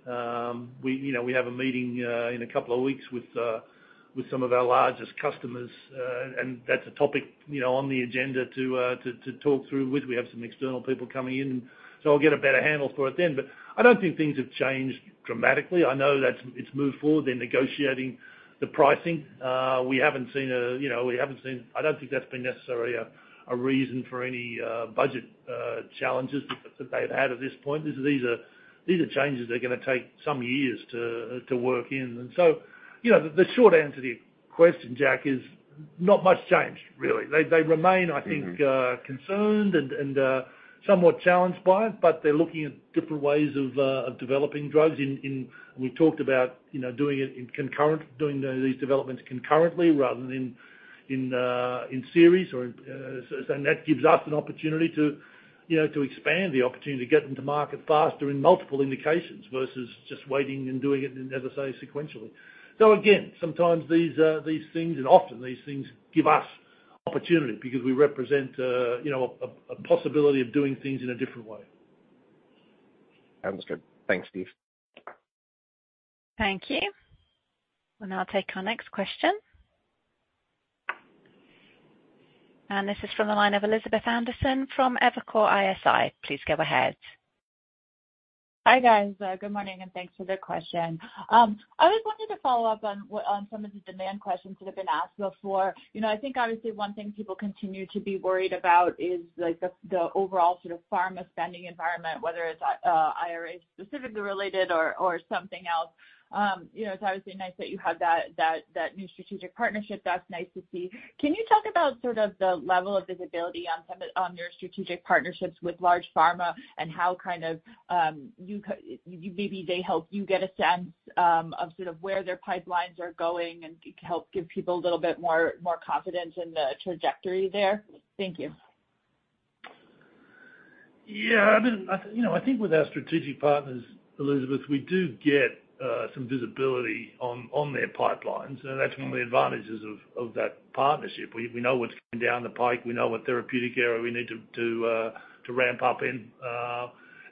We, you know, we have a meeting in a couple of weeks with some of our largest customers, and that's a topic, you know, on the agenda to talk through with. We have some external people coming in, so I'll get a better handle for it then. But I don't think things have changed dramatically. I know that's, it's moved forward. They're negotiating the pricing. We haven't seen, you know, we haven't seen... I don't think that's been necessarily a reason for any budget challenges that they've had at this point. These are changes that are gonna take some years to work in. And so, you know, the short answer to your question, Jack, is not much changed, really. They remain, I think- Mm-hmm... concerned and somewhat challenged by it, but they're looking at different ways of developing drugs in. We talked about, you know, doing it in concurrent, doing these developments concurrently rather than in series or in, and that gives us an opportunity to, you know, to expand the opportunity to get into market faster in multiple indications versus just waiting and doing it, as I say, sequentially. So again, sometimes these things and often these things give us opportunity because we represent, you know, a possibility of doing things in a different way. Sounds good. Thanks, Steve. Thank you. We'll now take our next question. This is from the line of Elizabeth Anderson from Evercore ISI. Please go ahead. Hi, guys. Good morning, and thanks for the question. I just wanted to follow up on some of the demand questions that have been asked before. You know, I think obviously one thing people continue to be worried about is, like, the overall sort of pharma spending environment, whether it's IRA specifically related or something else. You know, it's obviously nice that you have that new strategic partnership. That's nice to see. Can you talk about sort of the level of visibility on some of your strategic partnerships with large pharma and how kind of you maybe they help you get a sense of sort of where their pipelines are going and help give people a little bit more confidence in the trajectory there? Thank you. Yeah, I mean, you know, I think with our strategic partners, Elizabeth, we do get some visibility on their pipelines, and that's one of the advantages of that partnership. We know what's coming down the pike. We know what therapeutic area we need to ramp up in.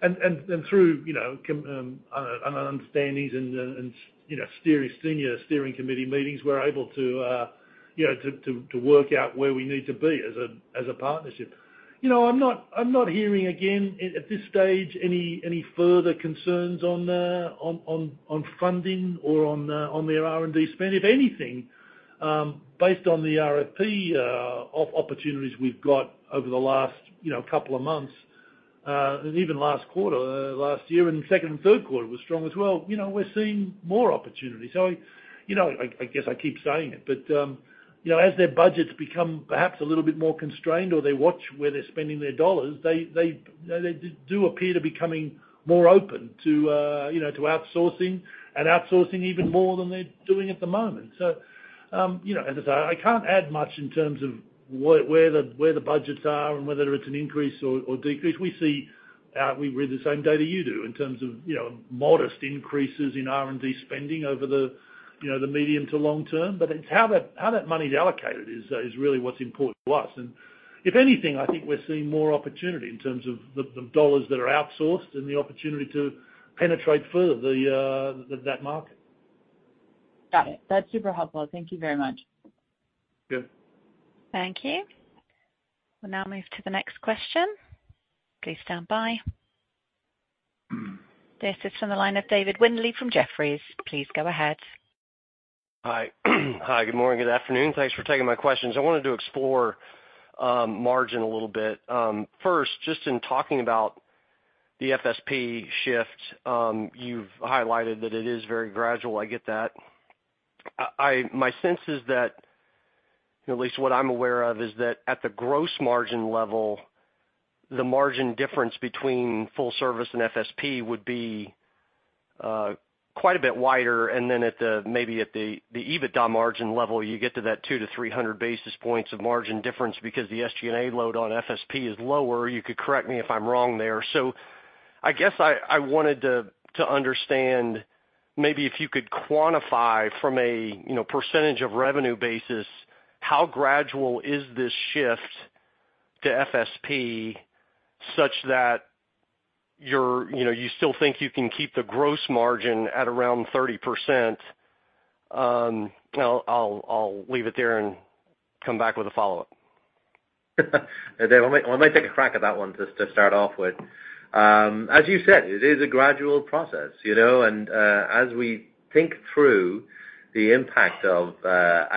And through, you know, commitments and understandings and, you know, senior steering committee meetings, we're able to work out where we need to be as a partnership. You know, I'm not hearing again, at this stage, any further concerns on funding or on their R&D spend. If anything, based on the RFP, opportunities we've got over the last, you know, couple of months, and even last quarter, last year, and the second and third quarter was strong as well, you know, we're seeing more opportunities. So, you know, I, I guess I keep saying it, but, you know, as their budgets become perhaps a little bit more constrained or they watch where they're spending their dollars, they, they, they do appear to be becoming more open to, you know, to outsourcing and outsourcing even more than they're doing at the moment. So, you know, as I say, I can't add much in terms of where, where the, where the budgets are and whether it's an increase or, or decrease. We see, we read the same data you do in terms of, you know, modest increases in R&D spending over the, you know, the medium to long term, but it's how that, how that money's allocated is really what's important to us. And if anything, I think we're seeing more opportunity in terms of the, the dollars that are outsourced and the opportunity to penetrate further the, that market.... Got it. That's super helpful. Thank you very much. Good. Thank you. We'll now move to the next question. Please stand by. This is from the line of David Windley from Jefferies. Please go ahead. Hi. Hi, good morning, good afternoon. Thanks for taking my questions. I wanted to explore margin a little bit. First, just in talking about the FSP shift, you've highlighted that it is very gradual. I get that. I my sense is that, at least what I'm aware of, is that at the gross margin level, the margin difference between full service and FSP would be quite a bit wider, and then at the, maybe at the, the EBITDA margin level, you get to that 200-300bps of margin difference because the SG&A load on FSP is lower. You could correct me if I'm wrong there. So I guess I wanted to understand, maybe if you could quantify from a, you know, percentage of revenue basis, how gradual is this shift to FSP, such that you're, you know, you still think you can keep the gross margin at around 30%? I'll leave it there and come back with a follow-up. Dave, I might take a crack at that one just to start off with. As you said, it is a gradual process, you know, and as we think through the impact of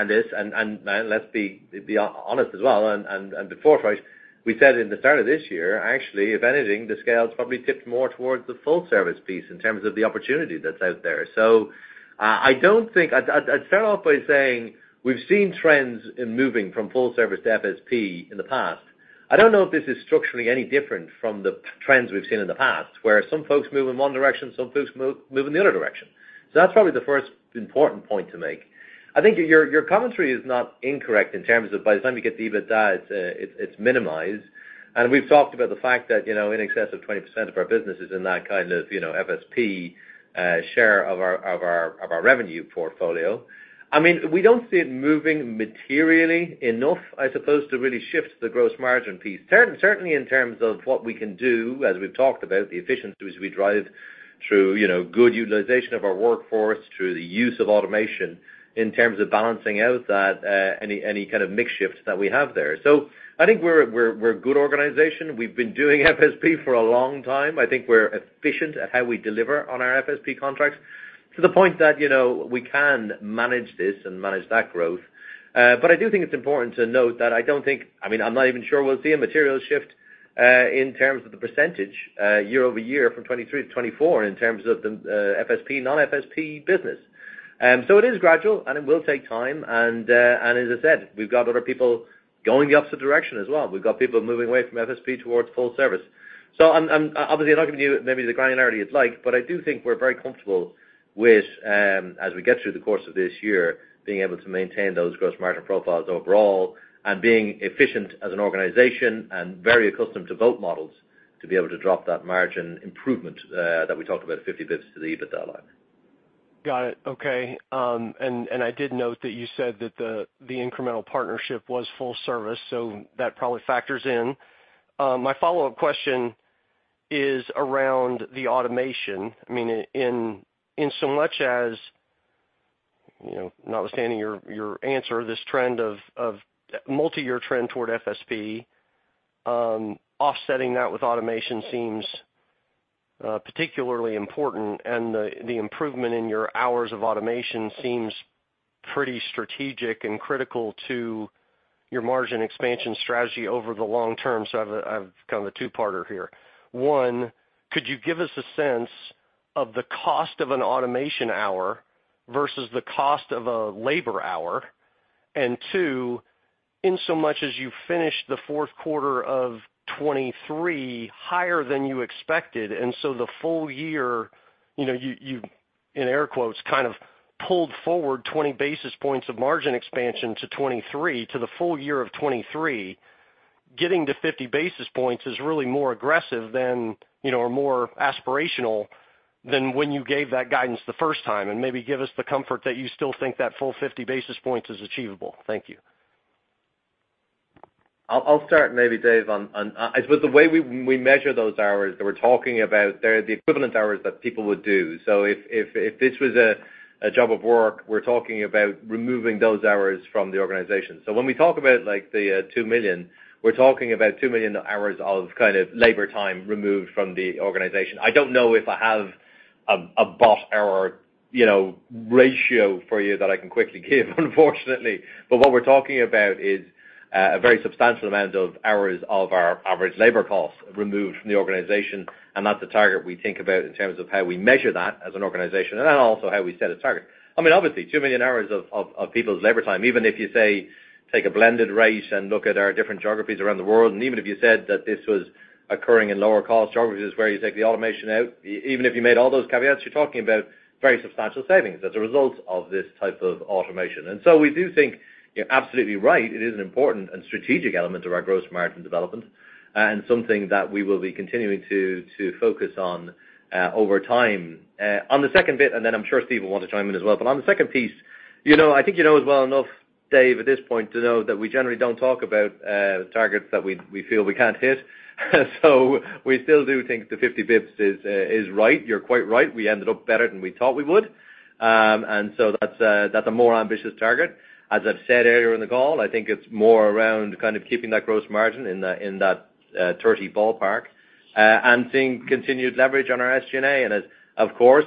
this and let's be honest as well and to forefront, we said at the start of this year, actually, if anything, the scale is probably tipped more towards the full service piece in terms of the opportunity that's out there. So, I don't think... I'd start off by saying we've seen trends in moving from full service to FSP in the past. I don't know if this is structurally any different from the trends we've seen in the past, where some folks move in one direction, some folks move in the other direction. So that's probably the first important point to make. I think your commentary is not incorrect in terms of by the time you get to EBITDA, it's, it's minimized. And we've talked about the fact that, you know, in excess of 20% of our business is in that kind of, you know, FSP share of our revenue portfolio. I mean, we don't see it moving materially enough, I suppose, to really shift the gross margin piece. Certainly, in terms of what we can do, as we've talked about, the efficiencies we drive through, you know, good utilization of our workforce, through the use of automation, in terms of balancing out that any kind of mix shift that we have there. So I think we're a good organization. We've been doing FSP for a long time. I think we're efficient at how we deliver on our FSP contracts, to the point that, you know, we can manage this and manage that growth. But I do think it's important to note that I don't think... I mean, I'm not even sure we'll see a material shift, in terms of the percentage, year-over-year from 2023 to 2024 in terms of the, FSP, non-FSP business. So it is gradual, and it will take time, and as I said, we've got other people going the opposite direction as well. We've got people moving away from FSP towards full service. So I'm obviously not giving you maybe the granularity you'd like, but I do think we're very comfortable with, as we get through the course of this year, being able to maintain those gross margin profiles overall, and being efficient as an organization and very accustomed to both models, to be able to drop that margin improvement, that we talked about 50bps to the EBITDA line. Got it. Okay. And I did note that you said that the incremental partnership was full service, so that probably factors in. My follow-up question is around the automation. I mean, in insomuch as, you know, notwithstanding your answer, this multi-year trend toward FSP, offsetting that with automation seems particularly important, and the improvement in your hours of automation seems pretty strategic and critical to your margin expansion strategy over the long term. So I've kind of a two-parter here. One, could you give us a sense of the cost of an automation hour versus the cost of a labor hour? And two, insomuch as you finished the fourth quarter of 2023 higher than you expected, and so the full year, you know, you in air quotes, kind of pulled forward 20bps of margin expansion to 2023, to the full year of 2023, getting to 50bps is really more aggressive than, you know, or more aspirational than when you gave that guidance the first time. And maybe give us the comfort that you still think that full 50bps is achievable. Thank you. I'll start maybe, Dave. I suppose the way we measure those hours that we're talking about, they're the equivalent hours that people would do. So if this was a job of work, we're talking about removing those hours from the organization. So when we talk about, like, the 2 million, we're talking about 2 million hours of kind of labor time removed from the organization. I don't know if I have a bot or, you know, ratio for you that I can quickly give, unfortunately. But what we're talking about is a very substantial amount of hours of our average labor cost removed from the organization, and that's the target we think about in terms of how we measure that as an organization, and then also how we set a target. I mean, obviously, 2 million hours of people's labor time, even if you say, take a blended rate and look at our different geographies around the world, and even if you said that this was occurring in lower-cost geographies, where you take the automation out, even if you made all those caveats, you're talking about very substantial savings as a result of this type of automation. And so we do think you're absolutely right, it is an important and strategic element of our gross margin development, and something that we will be continuing to focus on over time. On the second bit, and then I'm sure Steve will want to chime in as well, but on the second piece-... You know, I think you know as well enough, Dave, at this point, to know that we generally don't talk about targets that we, we feel we can't hit. So we still do think the 50bps is right. You're quite right, we ended up better than we thought we would. And so that's a, that's a more ambitious target. As I've said earlier in the call, I think it's more around kind of keeping that gross margin in the, in that 30% ballpark, and seeing continued leverage on our SG&A. And as, of course,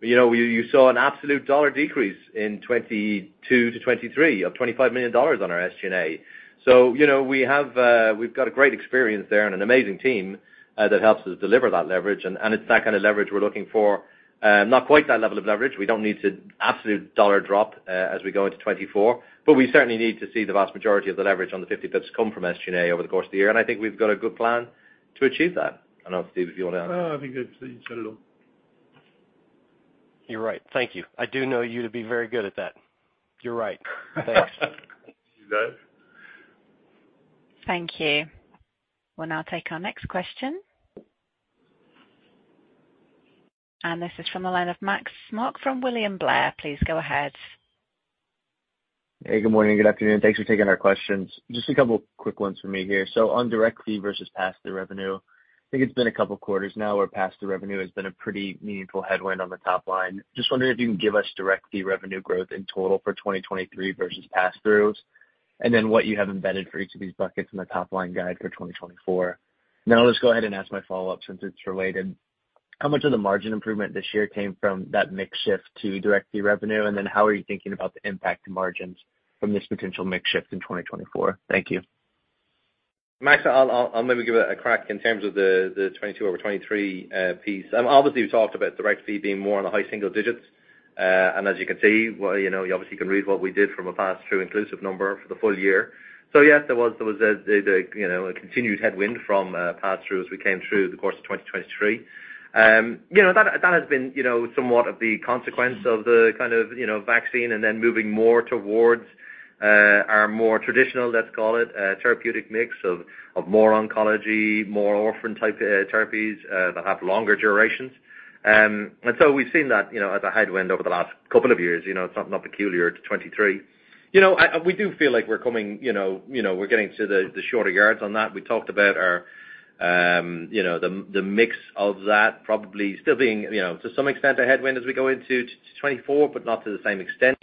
you know, you, you saw an absolute dollar decrease in 2022 to 2023 of $25 million on our SG&A. So, you know, we have, we've got a great experience there and an amazing team, that helps us deliver that leverage, and, and it's that kind of leverage we're looking for. Not quite that level of leverage. We don't need to absolute dollar drop, as we go into 2024, but we certainly need to see the vast majority of the leverage on the 50bps come from SG&A over the course of the year, and I think we've got a good plan to achieve that. I don't know, Steve, if you want to add? No, I think it's said it all. You're right. Thank you. I do know you to be very good at that. You're right. Thanks. You bet. Thank you. We'll now take our next question. This is from the line of Max Smock from William Blair. Please go ahead. Hey, good morning, good afternoon. Thanks for taking our questions. Just a couple quick ones for me here. So on direct fee versus pass-through revenue, I think it's been a couple of quarters now, where pass-through revenue has been a pretty meaningful headwind on the top line. Just wondering if you can give us direct fee revenue growth in total for 2023 versus pass-throughs, and then what you have embedded for each of these buckets in the top line guide for 2024. Now, I'll just go ahead and ask my follow-up since it's related. How much of the margin improvement this year came from that mix shift to direct fee revenue, and then how are you thinking about the impact to margins from this potential mix shift in 2024? Thank you. Max, I'll maybe give it a crack in terms of the 2022 over 2023 piece. Obviously, we've talked about direct fee being more in the high single digits. And as you can see, well, you know, you obviously can read what we did from a pass-through inclusive number for the full year. So yes, there was a continued headwind from pass-through as we came through the course of 2023. You know, that has been somewhat of the consequence of the kind of vaccine and then moving more towards our more traditional, let's call it, therapeutic mix of more oncology, more orphan-type therapies that have longer durations. And so we've seen that as a headwind over the last couple of years. You know, it's something not peculiar to 2023. You know, we do feel like we're coming, you know, you know, we're getting to the shorter yards on that. We talked about our, you know, the mix of that probably still being, you know, to some extent, a headwind as we go into 2024, but not to the same extent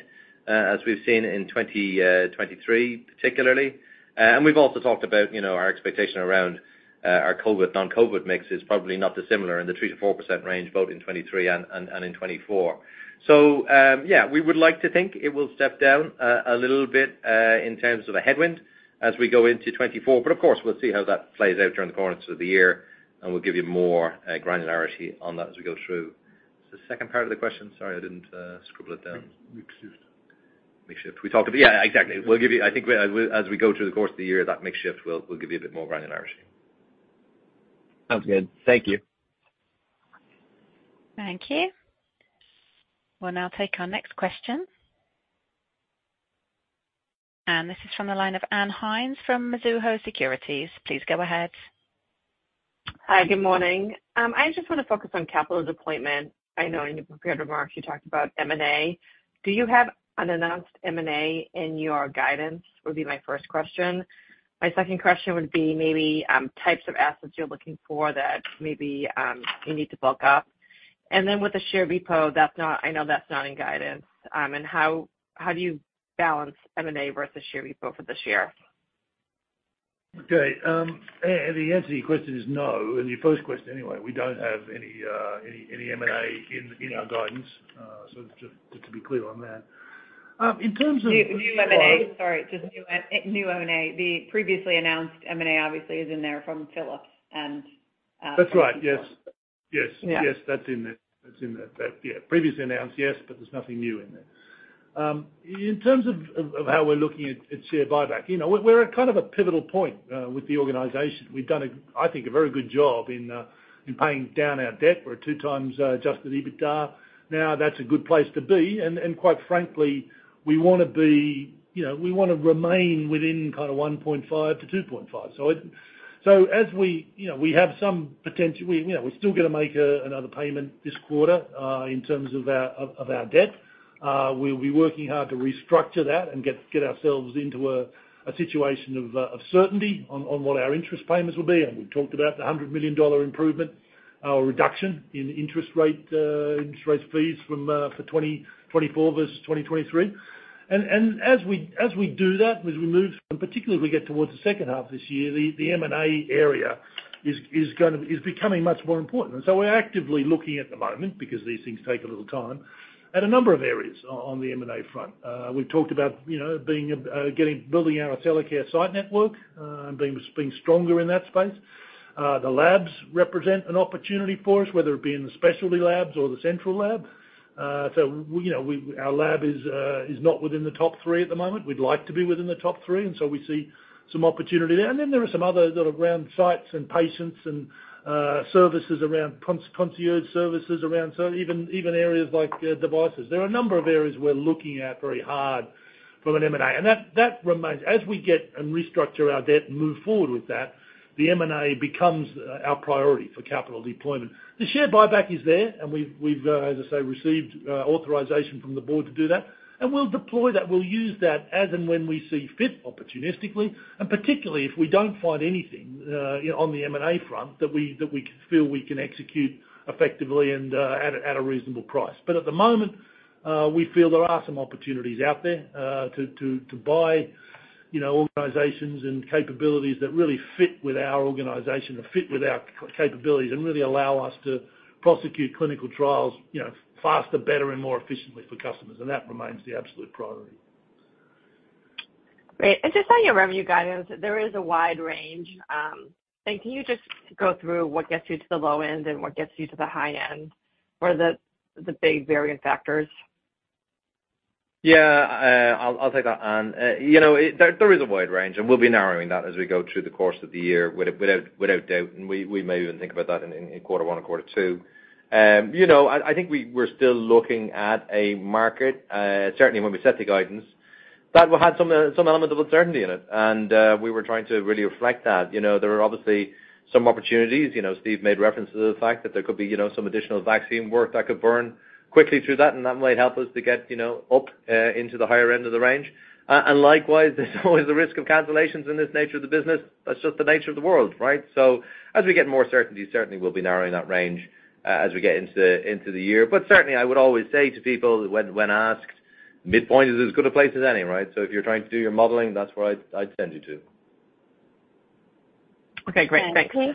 as we've seen in 2023, particularly. And we've also talked about, you know, our expectation around our COVID, non-COVID mix is probably not dissimilar in the 3%-4% range, both in 2023 and in 2024. So, yeah, we would like to think it will step down a little bit in terms of a headwind as we go into 2024, but of course, we'll see how that plays out during the course of the year, and we'll give you more granularity on that as we go through. What's the second part of the question? Sorry, I didn't scribble it down. Mix shift. Mix shift. We talked about. Yeah, exactly. We'll give you. I think as, as we go through the course of the year, that mix shift will, will give you a bit more granularity. Sounds good. Thank you. Thank you. We'll now take our next question. This is from the line of Ann Hynes from Mizuho Securities. Please go ahead. Hi, good morning. I just want to focus on capital deployment. I know in your prepared remarks, you talked about M&A. Do you have an announced M&A in your guidance? Would be my first question. My second question would be maybe types of assets you're looking for that maybe you need to bulk up. And then with the share repo, I know that's not in guidance, and how do you balance M&A versus share repo for this year? Okay, and the answer to your question is no, in your first question anyway. We don't have any M&A in our guidance, so just to be clear on that. In terms of- New M&A, sorry, just new, new M&A. The previously announced M&A obviously is in there from fill-ins and, That's right. Yes. Yes. Yeah. Yes, that's in there. That's in there. That, yeah, previously announced, yes, but there's nothing new in there. In terms of how we're looking at share buyback, you know, we're at kind of a pivotal point with the organization. We've done, I think, a very good job in paying down our debt. We're at 2x adjusted EBITDA. Now, that's a good place to be, and quite frankly, we wanna be... You know, we wanna remain within kind of 1.5x-2.5x. So as we, you know, we have some potential... We, you know, we're still gonna make another payment this quarter in terms of our debt. We'll be working hard to restructure that and get ourselves into a situation of certainty on what our interest payments will be. We've talked about the $100 million improvement, or reduction in interest rate, interest rates fees from 2024 versus 2023. And as we do that, as we move, and particularly we get towards the second half of this year, the M&A area is becoming much more important. And so we're actively looking at the moment, because these things take a little time, at a number of areas on the M&A front. We've talked about, you know, being building out an Accellacare site network, and being stronger in that space. The labs represent an opportunity for us, whether it be in the specialty labs or the central lab. So we, you know, we, our lab is, is not within the top three at the moment. We'd like to be within the top three, and so we see some opportunity there. And then there are some other sort of around sites and patients and services around conc- concierge services, around. So even, even areas like, devices. There are a number of areas we're looking at very hard from an M&A, and that, that remains. As we get and restructure our debt and move forward with that, the M&A becomes our priority for capital deployment. The share buyback is there, and we've, we've, as I say, received authorization from the board to do that, and we'll deploy that. We'll use that as and when we see fit, opportunistically, and particularly if we don't find anything on the M&A front that we feel we can execute effectively and at a reasonable price. But at the moment, we feel there are some opportunities out there to buy, you know, organizations and capabilities that really fit with our organization and fit with our capabilities, and really allow us to prosecute clinical trials, you know, faster, better, and more efficiently for customers, and that remains the absolute priority. Great. Just on your revenue guidance, there is a wide range. Can you just go through what gets you to the low end and what gets you to the high end? What are the big variant factors? Yeah, I'll take that, Anne. You know, it, there is a wide range, and we'll be narrowing that as we go through the course of the year, without doubt, and we may even think about that in quarter one or quarter two. You know, I think we're still looking at a market, certainly when we set the guidance, that we had some element of uncertainty in it, and we were trying to really reflect that. You know, there are obviously some opportunities. You know, Steve made reference to the fact that there could be some additional vaccine work that could burn quickly through that, and that might help us to get up into the higher end of the range. And likewise, there's always the risk of cancellations in this nature of the business. That's just the nature of the world, right? So as we get more certainty, certainly we'll be narrowing that range, as we get into the year. But certainly, I would always say to people when asked, midpoint is as good a place as any, right? So if you're trying to do your modeling, that's where I'd send you to. Okay, great. Thanks. Thank you.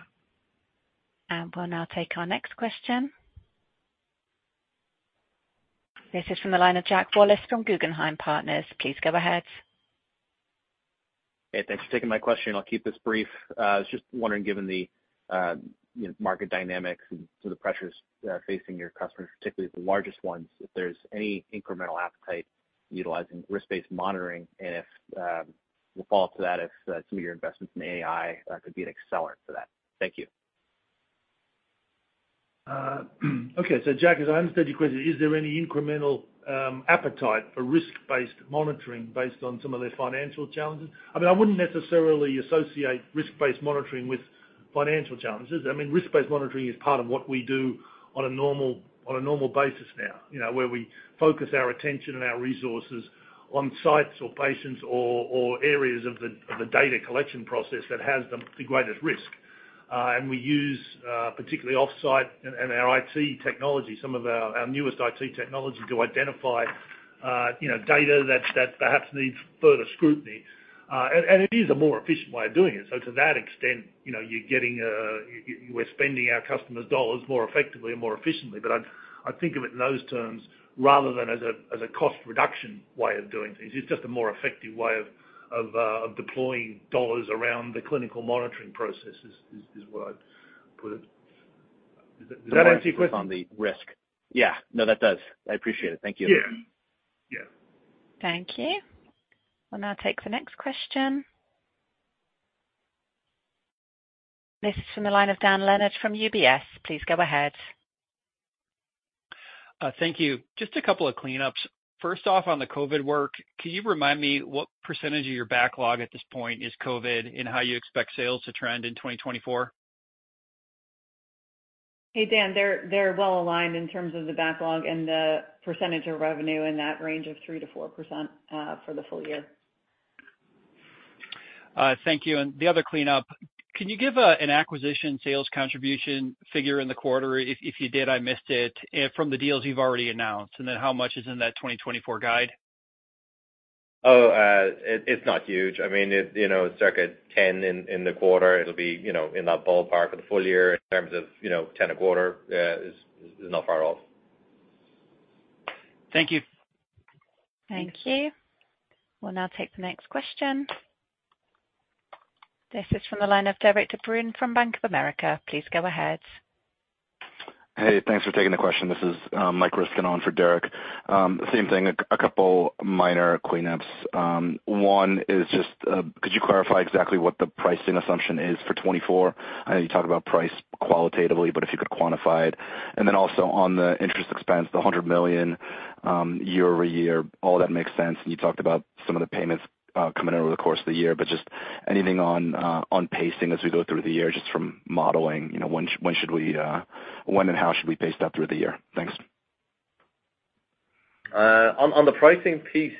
We'll now take our next question. This is from the line of Jack Boris from Guggenheim Partners. Please go ahead. Hey, thanks for taking my question. I'll keep this brief. I was just wondering, given the, you know, market dynamics and some of the pressures facing your customers, particularly the largest ones, if there's any incremental appetite utilizing risk-rased monitoring, and if we'll follow up to that, if some of your investments in AI could be an accelerant for that. Thank you. Okay, so Jack, as I understand your question, is there any incremental appetite for risk-based monitoring based on some of the financial challenges? I mean, I wouldn't necessarily associate risk-based monitoring with financial challenges. I mean, risk-based monitoring is part of what we do on a normal basis now, you know, where we focus our attention and our resources on sites or patients or areas of the data collection process that has the greatest risk. And we use particularly offsite and our IT technology, some of our newest IT technology, to identify, you know, data that perhaps needs further scrutiny. And it is a more efficient way of doing it. So to that extent, you know, you're getting... We're spending our customers' dollars more effectively and more efficiently. But I'd, I think of it in those terms, rather than as a, as a cost reduction way of doing things. It's just a more effective way of deploying dollars around the clinical monitoring processes, is what I'd put it. Does that answer your question? On the risk? Yeah. No, that does. I appreciate it. Thank you. Yeah. Yeah. Thank you. We'll now take the next question. This is from the line of Dan Leonard from UBS. Please go ahead. Thank you. Just a couple of cleanups. First off, on the COVID work, can you remind me what percentage of your backlog at this point is COVID, and how you expect sales to trend in 2024? Hey, Dan. They're, they're well aligned in terms of the backlog and the percentage of revenue in that range of 3%-4% for the full year. Thank you. And the other cleanup, can you give an acquisition sales contribution figure in the quarter? If you did, I missed it from the deals you've already announced. And then how much is in that 2024 guide? Oh, it's not huge. I mean, you know, it's like a 10 in the quarter. It'll be, you know, in that ballpark for the full year in terms of, you know, 10 a quarter, is not far off. Thank you. Thank you. We'll now take the next question. This is from the line of Derek DeBruin from Bank of America. Please go ahead. Hey, thanks for taking the question. This is Mike Ryskin on for Derek DeBruin. Same thing, a couple minor cleanups. One is just could you clarify exactly what the pricing assumption is for 2024? I know you talked about price qualitatively, but if you could quantify it. And then also on the interest expense, the $100 million year-over-year, all that makes sense, and you talked about some of the payments coming in over the course of the year, but just anything on pacing as we go through the year, just from modeling, you know, when should we, when and how should we pace that through the year? Thanks. On the pricing piece,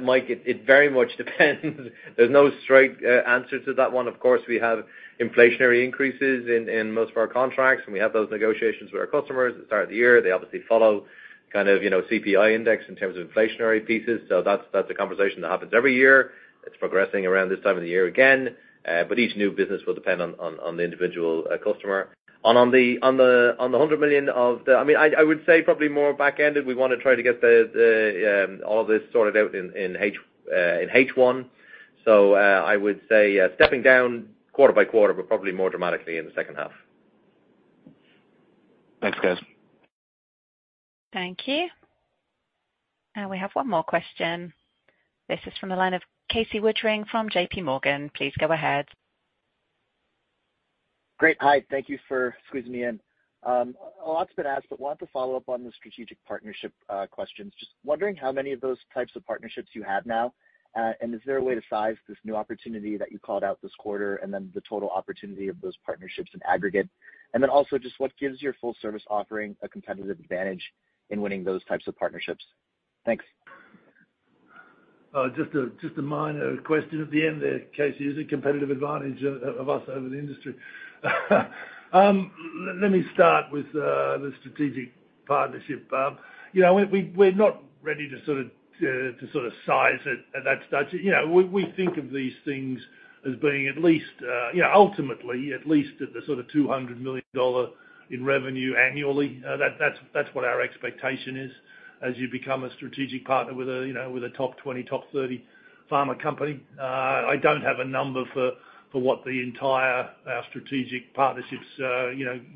Mike, it very much depends. There's no straight answer to that one. Of course, we have inflationary increases in most of our contracts, and we have those negotiations with our customers at the start of the year. They obviously follow kind of, you know, CPI index in terms of inflationary pieces, so that's a conversation that happens every year. It's progressing around this time of the year again, but each new business will depend on the individual customer. And on the $100 million of the... I mean, I would say probably more back-ended. We want to try to get all of this sorted out in H1. I would say, stepping down quarter by quarter, but probably more dramatically in the second half. Thanks, guys. Thank you. We have one more question. This is from the line of Casey Woodring from JP Morgan. Please go ahead. Great. Hi, thank you for squeezing me in. A lot's been asked, but want to follow up on the strategic partnership questions. Just wondering how many of those types of partnerships you have now? And is there a way to size this new opportunity that you called out this quarter, and then the total opportunity of those partnerships in aggregate? And then also, just what gives your full service offering a competitive advantage in winning those types of partnerships? Thanks. Just a minor question at the end there, Casey, is a competitive advantage of us over the industry. Let me start with the strategic partnership. You know, we're not ready to sort of size it at that stage. You know, we think of these things as being at least, you know, ultimately, at least at the sort of $200 million in revenue annually. That's what our expectation is, as you become a strategic partner with a top 20, top 30 pharma company. I don't have a number for what the entire strategic partnerships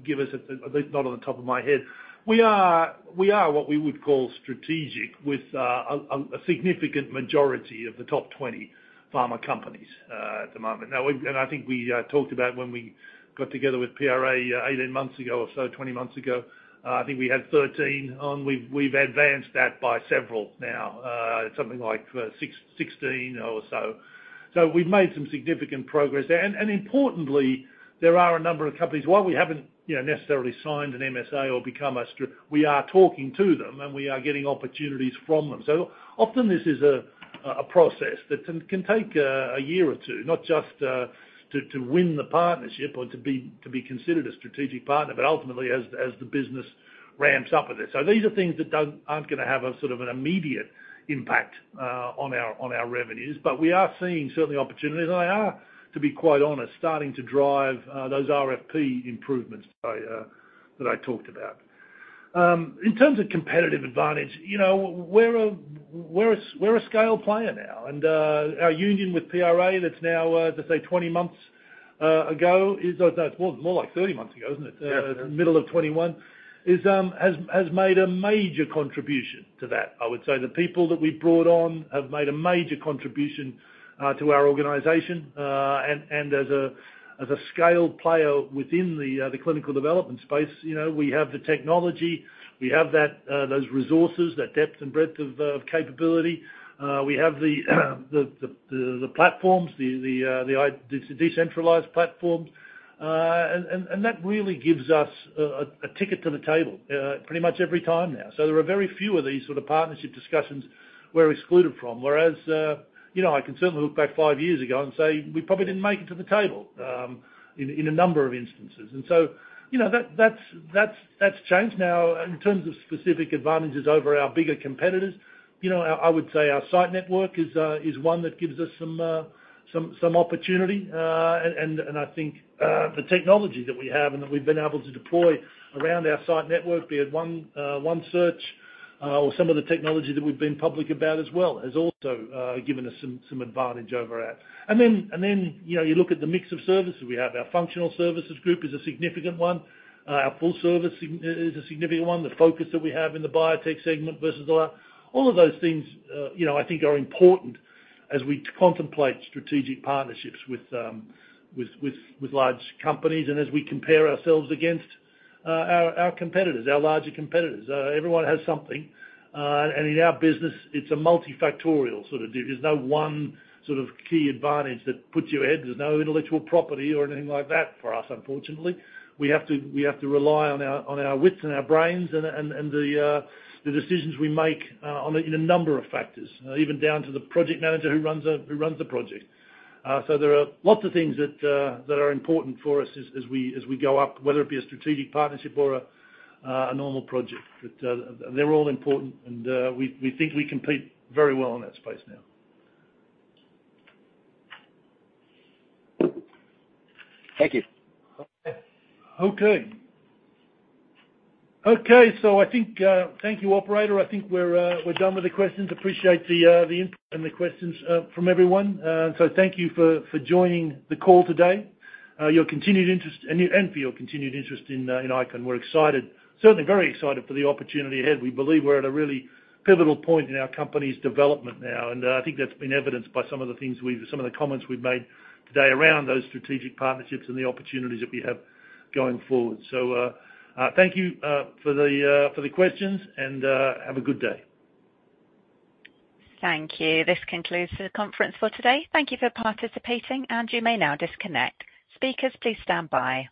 give us, at least not on the top of my head. We are what we would call strategic with a significant majority of the top 20 pharma companies at the moment. Now, I think we talked about when we got together with PRA 18 months ago or so, 20 months ago. I think we had 13 on. We've advanced that by several now, something like 16 or so. So we've made some significant progress there. And importantly, there are a number of companies, while we haven't, you know, necessarily signed an MSA or become a strategic we are talking to them, and we are getting opportunities from them. So often, this is a process that can take a year or two, not just to win the partnership or to be considered a strategic partner, but ultimately, as the business ramps up with it. So these are things that don't-- aren't gonna have a sort of an immediate impact on our revenues. But we are seeing certainly opportunities, and they are, to be quite honest, starting to drive those RFP improvements that I talked about. In terms of competitive advantage, you know, we're a scale player now, and our union with PRA, that's now, as I say, 20 months ago, is... No, it's more like 30 months ago, isn't it? Yeah. Middle of 2021 has made a major contribution to that. I would say the people that we brought on have made a major contribution to our organization, and as a scale player within the clinical development space, you know, we have the technology, we have those resources, that depth and breadth of capability. We have the platforms, the decentralized platforms. And that really gives us a ticket to the table pretty much every time now. So there are very few of these sort of partnership discussions we're excluded from, whereas, you know, I can certainly look back five years ago and say we probably didn't make it to the table in a number of instances. And so, you know, that's changed. Now, in terms of specific advantages over our bigger competitors, you know, I would say our site network is one that gives us some opportunity. And I think the technology that we have and that we've been able to deploy around our site network, be it OneSearch or some of the technology that we've been public about as well, has also given us some advantage over that. And then, you know, you look at the mix of services. We have our functional services group is a significant one. Our full service is a significant one. The focus that we have in the biotech segment versus other. All of those things, you know, I think are important as we contemplate strategic partnerships with large companies and as we compare ourselves against our competitors, our larger competitors. Everyone has something, and in our business, it's a multi-factorial sort of deal. There's no one sort of key advantage that puts you ahead. There's no intellectual property or anything like that for us, unfortunately. We have to rely on our wits and our brains and the decisions we make in a number of factors, even down to the project manager who runs the project. There are lots of things that are important for us as we go up, whether it be a strategic partnership or a normal project. They're all important, and we think we compete very well in that space now. Thank you. Okay. Okay, so I think, thank you, operator. I think we're done with the questions. Appreciate the input and the questions from everyone. So thank you for joining the call today. Your continued interest, and for your continued interest in ICON. We're excited, certainly very excited for the opportunity ahead. We believe we're at a really pivotal point in our company's development now, and I think that's been evidenced by some of the things we've... Some of the comments we've made today around those strategic partnerships and the opportunities that we have going forward. So, thank you for the questions, and have a good day. Thank you. This concludes the conference for today. Thank you for participating, and you may now disconnect. Speakers, please stand by.